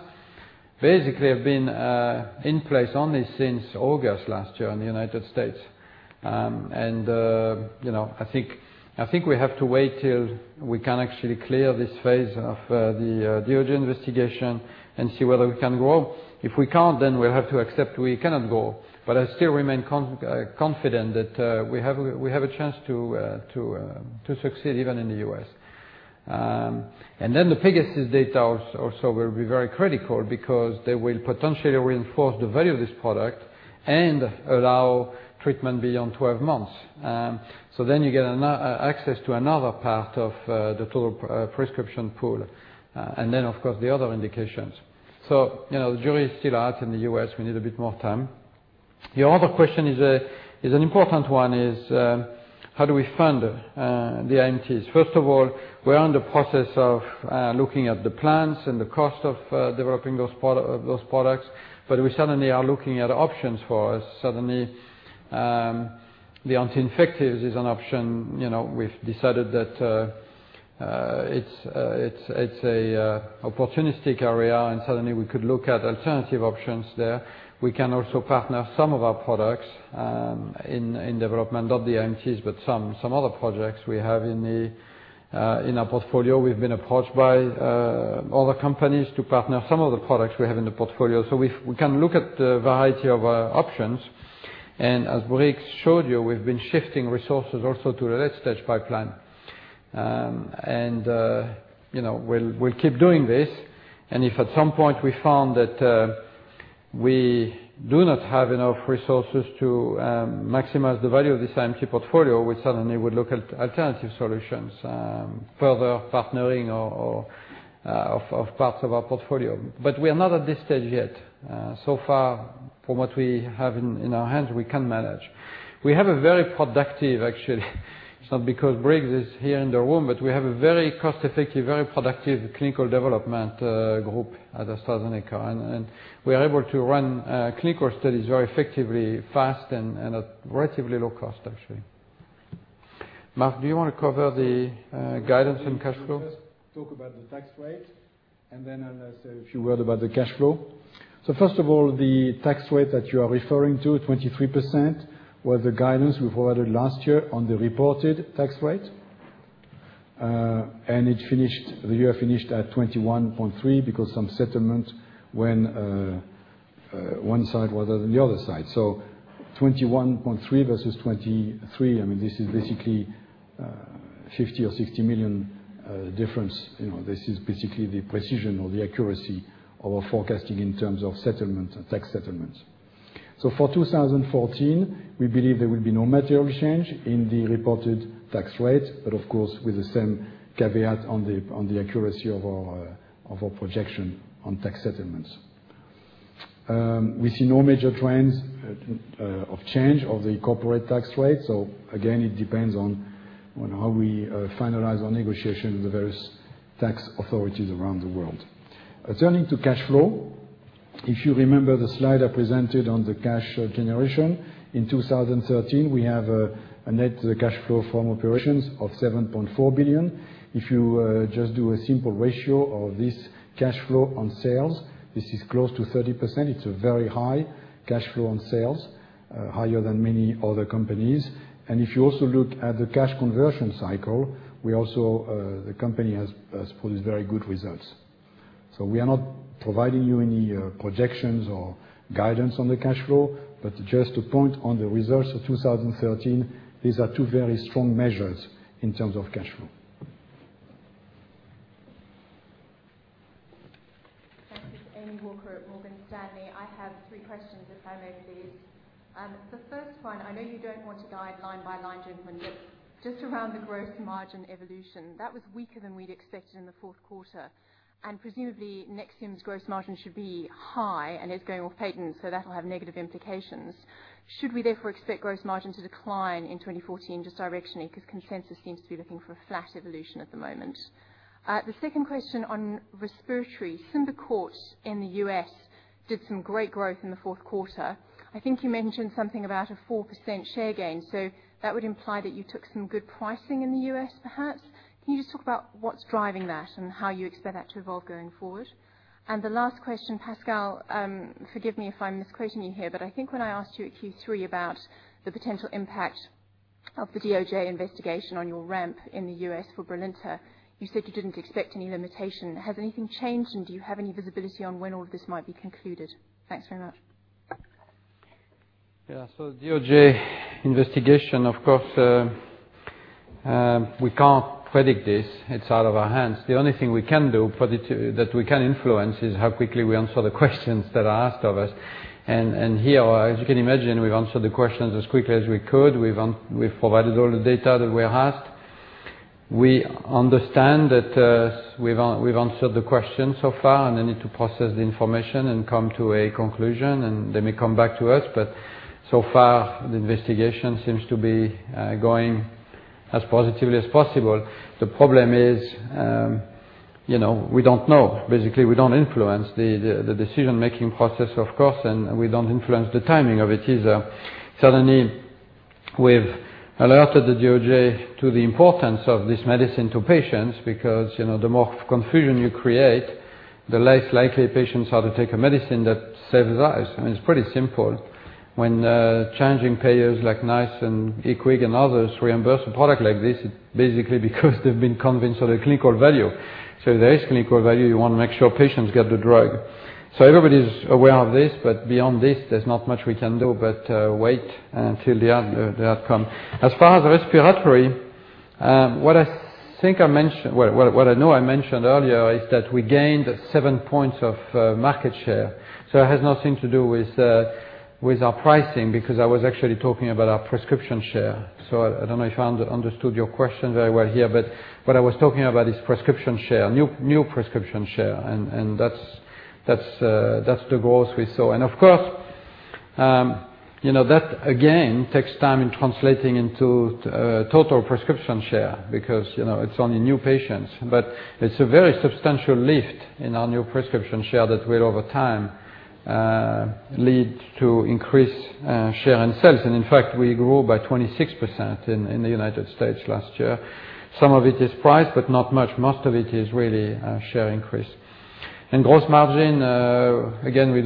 basically have been in place only since August last year in the United States. I think we have to wait till we can actually clear this phase of the DOJ investigation and see whether we can grow. If we can't, we have to accept we cannot grow. I still remain confident that we have a chance to succeed even in the U.S. The biggest is data also will be very critical because they will potentially reinforce the value of this product and allow treatment beyond 12 months. You get access to another part of the total prescription pool. Of course, the other indications. The jury is still out in the U.S. We need a bit more time. Your other question is an important one is, how do we fund the IMTs? First of all, we are in the process of looking at the plans and the cost of developing those products. We certainly are looking at options for us. Certainly, the anti-infectives is an option. We've decided that it's a opportunistic area and certainly we could look at alternative options there. We can also partner some of our products in development, not the IMTs, but some other projects we have in our portfolio. We've been approached by other companies to partner some of the products we have in the portfolio. We can look at a variety of options. As Briggs showed you, we've been shifting resources also to the late-stage pipeline. We'll keep doing this. If at some point we found that we do not have enough resources to maximize the value of this IMT portfolio, we certainly would look at alternative solutions, further partnering of parts of our portfolio. We are not at this stage yet. Far from what we have in our hands, we can manage. We have a very productive, actually, it's not because Briggs is here in the room, but we have a very cost-effective, very productive clinical development group at AstraZeneca. We are able to run clinical studies very effectively, fast, and at relatively low cost, actually. Marc, do you want to cover the guidance and cash flow? Let me first talk about the tax rate, I'll say a few word about the cash flow First of all, the tax rate that you are referring to, 23%, was the guidance we provided last year on the reported tax rate. The year finished at 21.3% because some settlement when one side rather than the other side. 21.3% versus 23%, this is basically a $50 million or $60 million difference. This is basically the precision or the accuracy of our forecasting in terms of settlement and tax settlements. For 2014, we believe there will be no material change in the reported tax rate, but of course, with the same caveat on the accuracy of our projection on tax settlements. We see no major trends of change of the corporate tax rate. Again, it depends on how we finalize our negotiation with the various tax authorities around the world. Turning to cash flow, if you remember the slide I presented on the cash generation. In 2013, we have a net cash flow from operations of $7.4 billion. If you just do a simple ratio of this cash flow on sales, this is close to 30%. It is a very high cash flow on sales, higher than many other companies. If you also look at the cash conversion cycle, the company has pulled very good results. We are not providing you any projections or guidance on the cash flow, but just to point on the results of 2013, these are two very strong measures in terms of cash flow. Amy Walker at Morgan Stanley. I have three questions, if I may, please. The first one, I know you do not want to guide line by line, gentlemen, but just around the gross margin evolution, that was weaker than we had expected in the fourth quarter. Presumably, NEXIUM's gross margin should be high and it is going off patent, so that will have negative implications. Should we therefore expect gross margin to decline in 2014 just directionally? Consensus seems to be looking for a flat evolution at the moment. The second question on respiratory, SYMBICORT in the U.S. did some great growth in the fourth quarter. I think you mentioned something about a 4% share gain. That would imply that you took some good pricing in the U.S., perhaps. Can you just talk about what is driving that and how you expect that to evolve going forward? The last question, Pascal, forgive me if I am misquoting you here, but I think when I asked you at Q3 about the potential impact of the DOJ investigation on your ramp in the U.S. for BRILINTA, you said you did not expect any limitation. Has anything changed, and do you have any visibility on when all of this might be concluded? Thanks very much. Yeah. DOJ investigation, of course, we can't predict this. It's out of our hands. The only thing we can do that we can influence is how quickly we answer the questions that are asked of us. Here, as you can imagine, we've answered the questions as quickly as we could. We've provided all the data that we're asked. We understand that we've answered the question so far, and they need to process the information and come to a conclusion, and they may come back to us. So far, the investigation seems to be going as positively as possible. The problem is, we don't know. Basically, we don't influence the decision-making process, of course, and we don't influence the timing of it either. Certainly, we've alerted the DOJ to the importance of this medicine to patients because the more confusion you create, the less likely patients are to take a medicine that saves lives. I mean, it's pretty simple. When changing payers like NICE and IQWiG and others reimburse a product like this, basically because they've been convinced of the clinical value. There is clinical value. You want to make sure patients get the drug. Everybody's aware of this, but beyond this, there's not much we can do but wait until the outcome. As far as respiratory, what I know I mentioned earlier is that we gained seven points of market share. It has nothing to do with our pricing because I was actually talking about our prescription share. I don't know if I understood your question very well here, but what I was talking about is prescription share, new prescription share, and that's the growth we saw. Of course, that again takes time in translating into total prescription share because it's only new patients. It's a very substantial lift in our new prescription share that will, over time, lead to increased share and sales. In fact, we grew by 26% in the U.S. last year. Some of it is price, but not much. Most of it is really share increase. Gross margin, again, I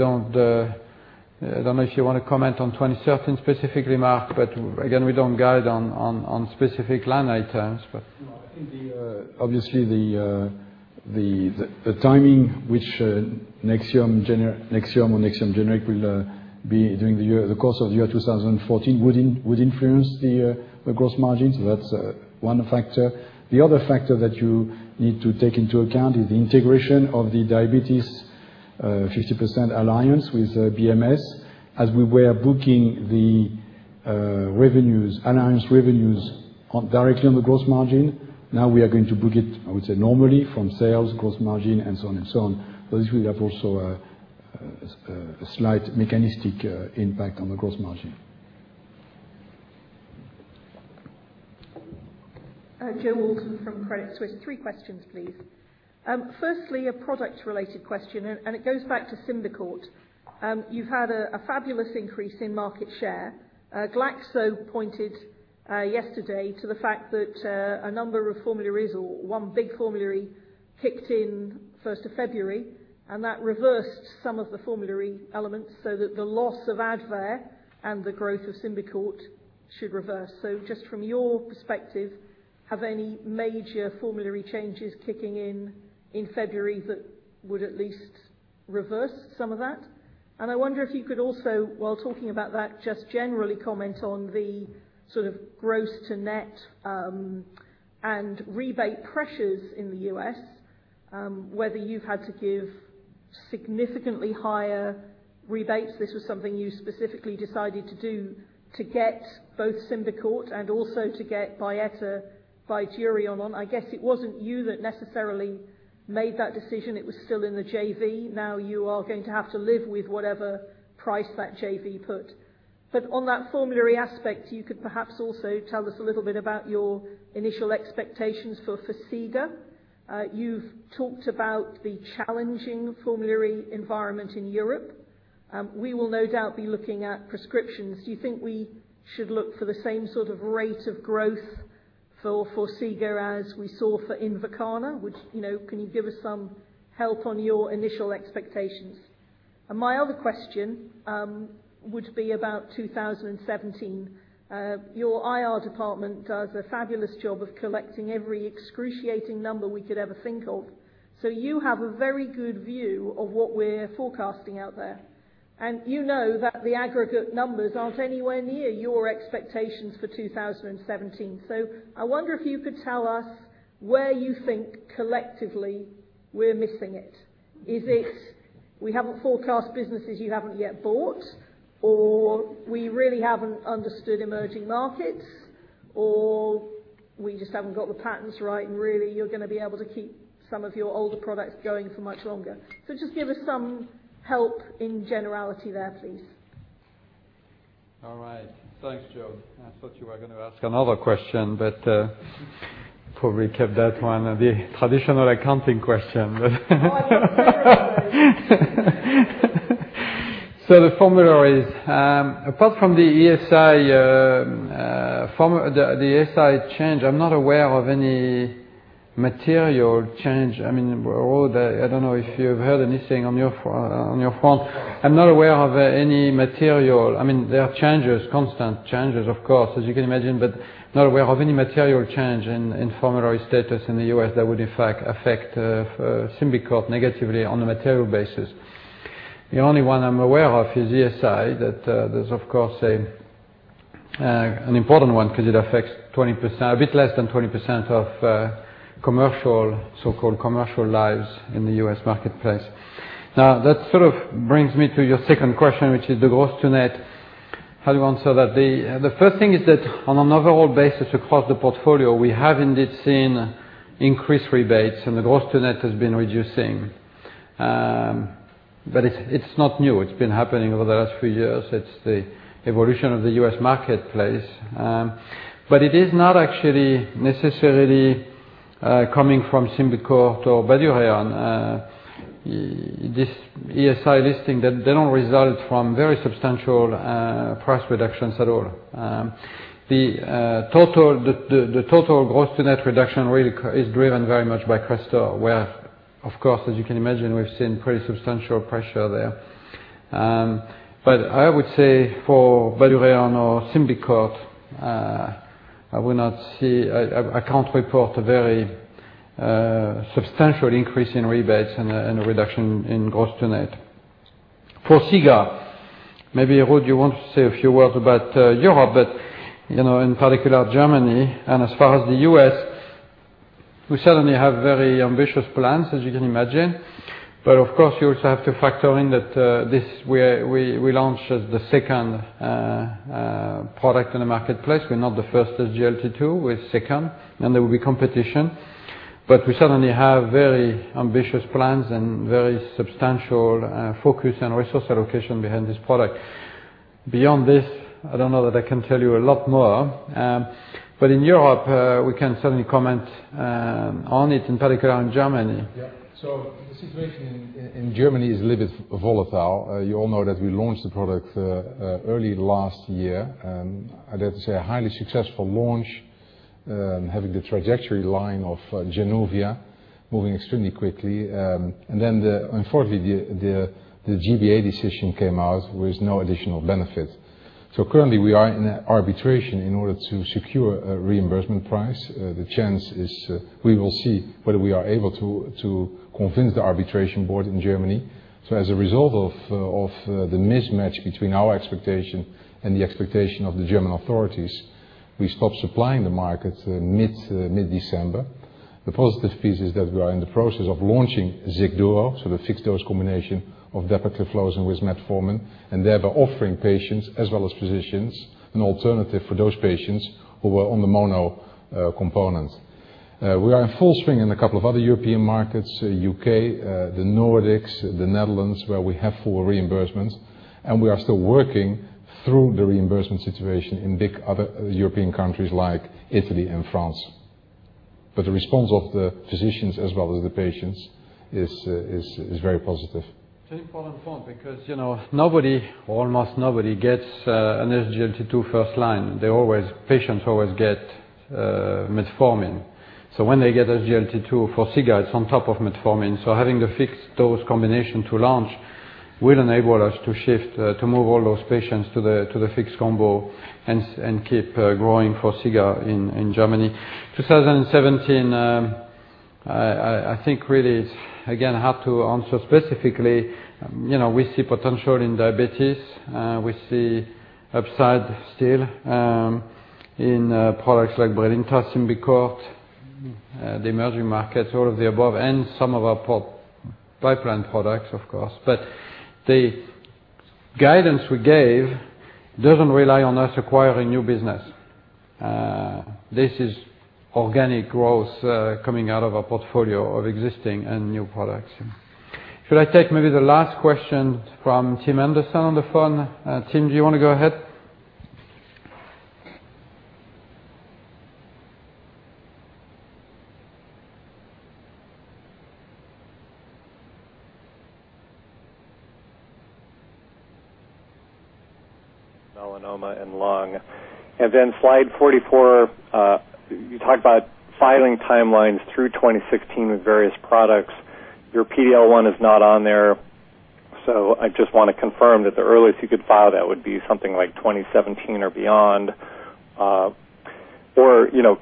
don't know if you want to comment on 2013 specifically, Marc, but again, we don't guide on specific line items, but No, I think obviously the timing which NEXIUM or NEXIUM generic will be doing the course of year 2014 would influence the gross margin. That's one factor. The other factor that you need to take into account is the integration of the Diabetes Alliance with BMS. As we were booking the alliance revenues directly on the gross margin, now we are going to book it, I would say, normally from sales, gross margin, and so on. This will have also a slight mechanistic impact on the gross margin. Jo Walton from Credit Suisse. Three questions, please. Firstly, a product-related question, it goes back to SYMBICORT. You've had a fabulous increase in market share. Glaxo pointed Yesterday to the fact that a number of formularies or one big formulary kicked in 1st of February, that reversed some of the formulary elements so that the loss of ADVAIR and the growth of SYMBICORT should reverse. Just from your perspective, have any major formulary changes kicking in February that would at least reverse some of that? I wonder if you could also, while talking about that, just generally comment on the sort of gross to net and rebate pressures in the U.S., whether you've had to give significantly higher rebates. This was something you specifically decided to do to get both SYMBICORT and also to get Byetta Bydureon on. I guess it wasn't you that necessarily made that decision. It was still in the JV. Now you are going to have to live with whatever price that JV put. On that formulary aspect, you could perhaps also tell us a little bit about your initial expectations for Forxiga. You've talked about the challenging formulary environment in Europe. We will no doubt be looking at prescriptions. Do you think we should look for the same sort of rate of growth for Forxiga as we saw for INVOKANA? Can you give us some help on your initial expectations? My other question would be about 2017. Your IR department does a fabulous job of collecting every excruciating number we could ever think of. You have a very good view of what we're forecasting out there. You know that the aggregate numbers aren't anywhere near your expectations for 2017. I wonder if you could tell us where you think collectively we're missing it. Is it we haven't forecast businesses you haven't yet bought, or we really haven't understood emerging markets, or we just haven't got the patents right, and really, you're going to be able to keep some of your older products going for much longer? Just give us some help in generality there, please. All right. Thanks, Jo. I thought you were going to ask another question, probably kept that one the traditional accounting question. Oh, I'm sorry. The formularies. Apart from the ESI change, I'm not aware of any material change. I mean, Ruud, I don't know if you've heard anything on your front. I'm not aware of any material. There are changes, constant changes, of course, as you can imagine, but not aware of any material change in formulary status in the U.S. that would in fact affect SYMBICORT negatively on a material basis. The only one I'm aware of is ESI. That is, of course, an important one because it affects a bit less than 20% of so-called commercial lives in the U.S. marketplace. That sort of brings me to your second question, which is the gross to net. How do you want to answer that? The first thing is that on an overall basis across the portfolio, we have indeed seen increased rebates and the gross to net has been reducing. It's not new. It's been happening over the last few years. It's the evolution of the U.S. marketplace. It is not actually necessarily coming from SYMBICORT or Bydureon. This ESI listing, they don't result from very substantial price reductions at all. The total gross to net reduction really is driven very much by CRESTOR, where, of course, as you can imagine, we've seen pretty substantial pressure there. I would say for Bydureon or SYMBICORT, I can't report a very substantial increase in rebates and a reduction in gross to net. For Forxiga, maybe, Ruud, you want to say a few words about Europe, but in particular Germany. As far as the U.S., we certainly have very ambitious plans, as you can imagine. Of course, you also have to factor in that we launched the second product in the marketplace. We're not the first SGLT2, we're second, there will be competition. We certainly have very ambitious plans and very substantial focus and resource allocation behind this product. Beyond this, I don't know that I can tell you a lot more. In Europe, we can certainly comment on it, in particular in Germany. The situation in Germany is a little bit volatile. You all know that we launched the product early last year. I'd like to say a highly successful launch, having the trajectory line of JANUVIA moving extremely quickly. Unfortunately, the G-BA decision came out with no additional benefit. Currently, we are in arbitration in order to secure a reimbursement price. The chance is we will see whether we are able to convince the arbitration board in Germany. As a result of the mismatch between our expectation and the expectation of the German authorities, we stopped supplying the market mid-December. The positive piece is that we are in the process of launching XIGDUO, the fixed dose combination of dapagliflozin with metformin, and thereby offering patients as well as physicians an alternative for those patients who were on the mono components. We are in full swing in a couple of other European markets, U.K., the Nordics, the Netherlands, where we have full reimbursements. We are still working through the reimbursement situation in big other European countries like Italy and France. The response of the physicians as well as the patients is very positive. It's an important point because nobody, or almost nobody, gets an SGLT2 first line. Patients always get metformin. When they get SGLT2 Forxiga on top of metformin, having the fixed dose combination to launch will enable us to move all those patients to the fixed combo and keep growing Forxiga in Germany. 2017, I think really is, again, hard to answer specifically. We see potential in diabetes. We see upside still in products like BRILINTA, SYMBICORT, the emerging markets, all of the above, and some of our pipeline products, of course. The guidance we gave doesn't rely on us acquiring new business. This is organic growth coming out of our portfolio of existing and new products. Should I take maybe the last question from Tim Anderson on the phone? Tim, do you want to go ahead? Melanoma and lung. Slide 44, you talk about filing timelines through 2016 with various products. Your PD-L1 is not on there. I just want to confirm that the earliest you could file that would be something like 2017 or beyond.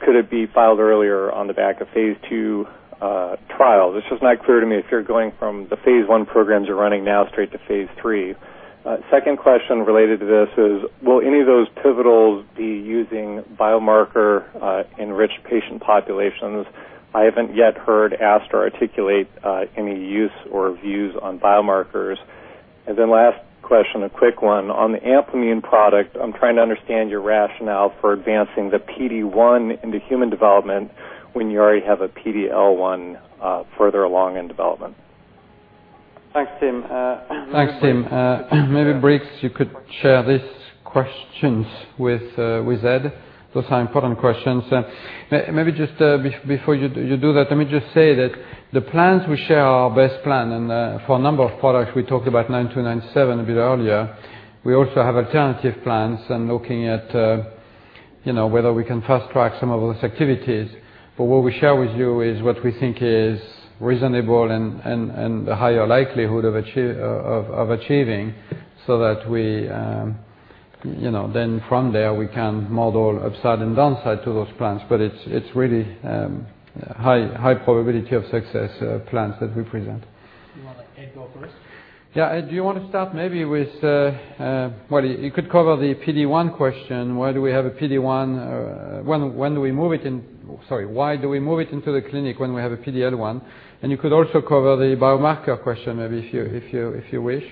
Could it be filed earlier on the back of phase II trial? This was not clear to me if you're going from the phase I programs you're running now straight to phase III. Second question related to this is, will any of those pivotals be using biomarker-enriched patient populations? I haven't yet heard Astra articulate any use or views on biomarkers. Last question, a quick one on the Amplimmune product. I'm trying to understand your rationale for advancing the PD-1 into human development when you already have a PD-L1 further along in development. Thanks, Tim. Maybe, Briggs, you could share these questions with Ed. Those are important questions. Maybe just before you do that, let me just say that the plans we share are our best plan. For a number of products, we talked about 9297 a bit earlier. We also have alternative plans and looking at whether we can fast track some of those activities. What we share with you is what we think is reasonable and a higher likelihood of achieving so that then from there we can model upside and downside to those plans. It's really high probability of success plans that we present. You want to let Ed go first? Yeah, Ed, do you want to start? Well, you could cover the PD-1 question. Why do we move it into the clinic when we have a PD-L1? You could also cover the biomarker question, maybe, if you wish.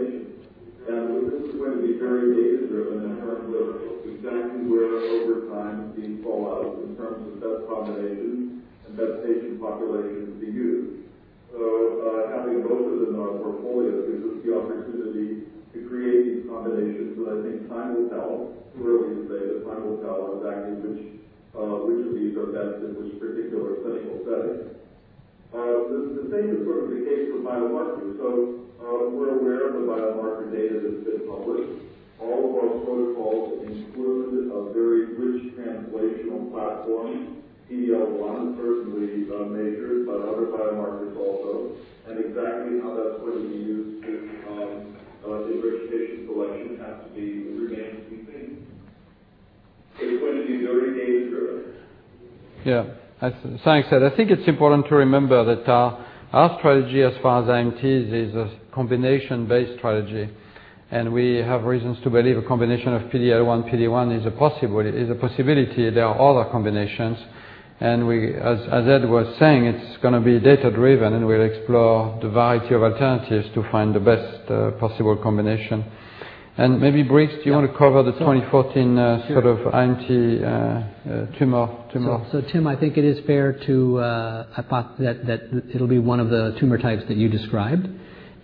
Yeah. PD-1 and PD-L1 are biologically distinct. They have overlapping activities, but each of them may have unique settings not only as monotherapy, but also in terms of combination. We're actively exploring each of them as monotherapy, and we'll look at them in a variety of combinations. This is going to be very data-driven in terms of exactly where over time these fall out in terms of best combinations and best patient populations to use. Having both of them in our portfolio gives us the opportunity to create these combinations. I think time will tell. Too early to say, but time will tell exactly which of these are best in which particular clinical setting. The same is sort of the case for biomarkers. We're aware of the biomarker data that's been published. All of our protocols include a very rich translational platform. PD-L1 is personally measured, but other biomarkers also. Exactly how that's going to be used in patient selection remains to be seen. It's going to be very data-driven. Yeah. Thanks, Ed. I think it's important to remember that our strategy as far as IMTs is a combination-based strategy, and we have reasons to believe a combination of PD-L1, PD-1 is a possibility. There are other combinations. As Ed was saying, it's going to be data-driven, and we'll explore the variety of alternatives to find the best possible combination. Maybe, Briggs, do you want to cover the 2014 sort of IMT tumor? Tim, I think it is fair to hypothesize that it'll be one of the tumor types that you described.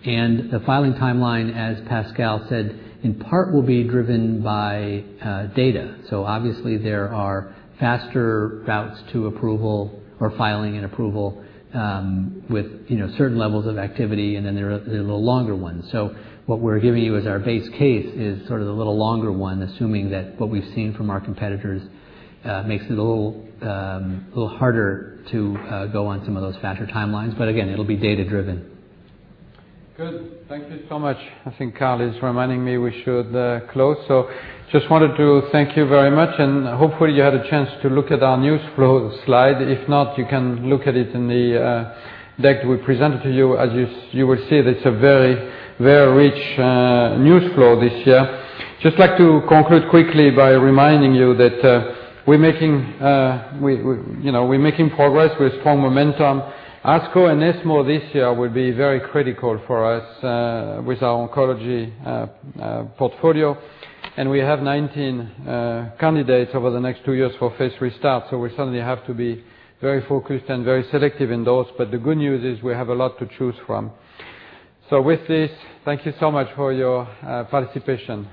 The filing timeline, as Pascal said, in part, will be driven by data. Obviously, there are faster routes to approval or filing and approval with certain levels of activity, and then there are the little longer ones. What we're giving you as our base case is sort of the little longer one, assuming that what we've seen from our competitors makes it a little harder to go on some of those faster timelines. Again, it'll be data-driven. Good. Thank you so much. I think Carl is reminding me we should close. Just wanted to thank you very much, and hopefully, you had a chance to look at our news flow slide. If not, you can look at it in the deck we presented to you. As you will see, that it's a very rich news flow this year. Just like to conclude quickly by reminding you that we're making progress with strong momentum. ASCO and ESMO this year will be very critical for us with our oncology portfolio. We have 19 candidates over the next two years for phase three start. We certainly have to be very focused and very selective in those. The good news is we have a lot to choose from. With this, thank you so much for your participation.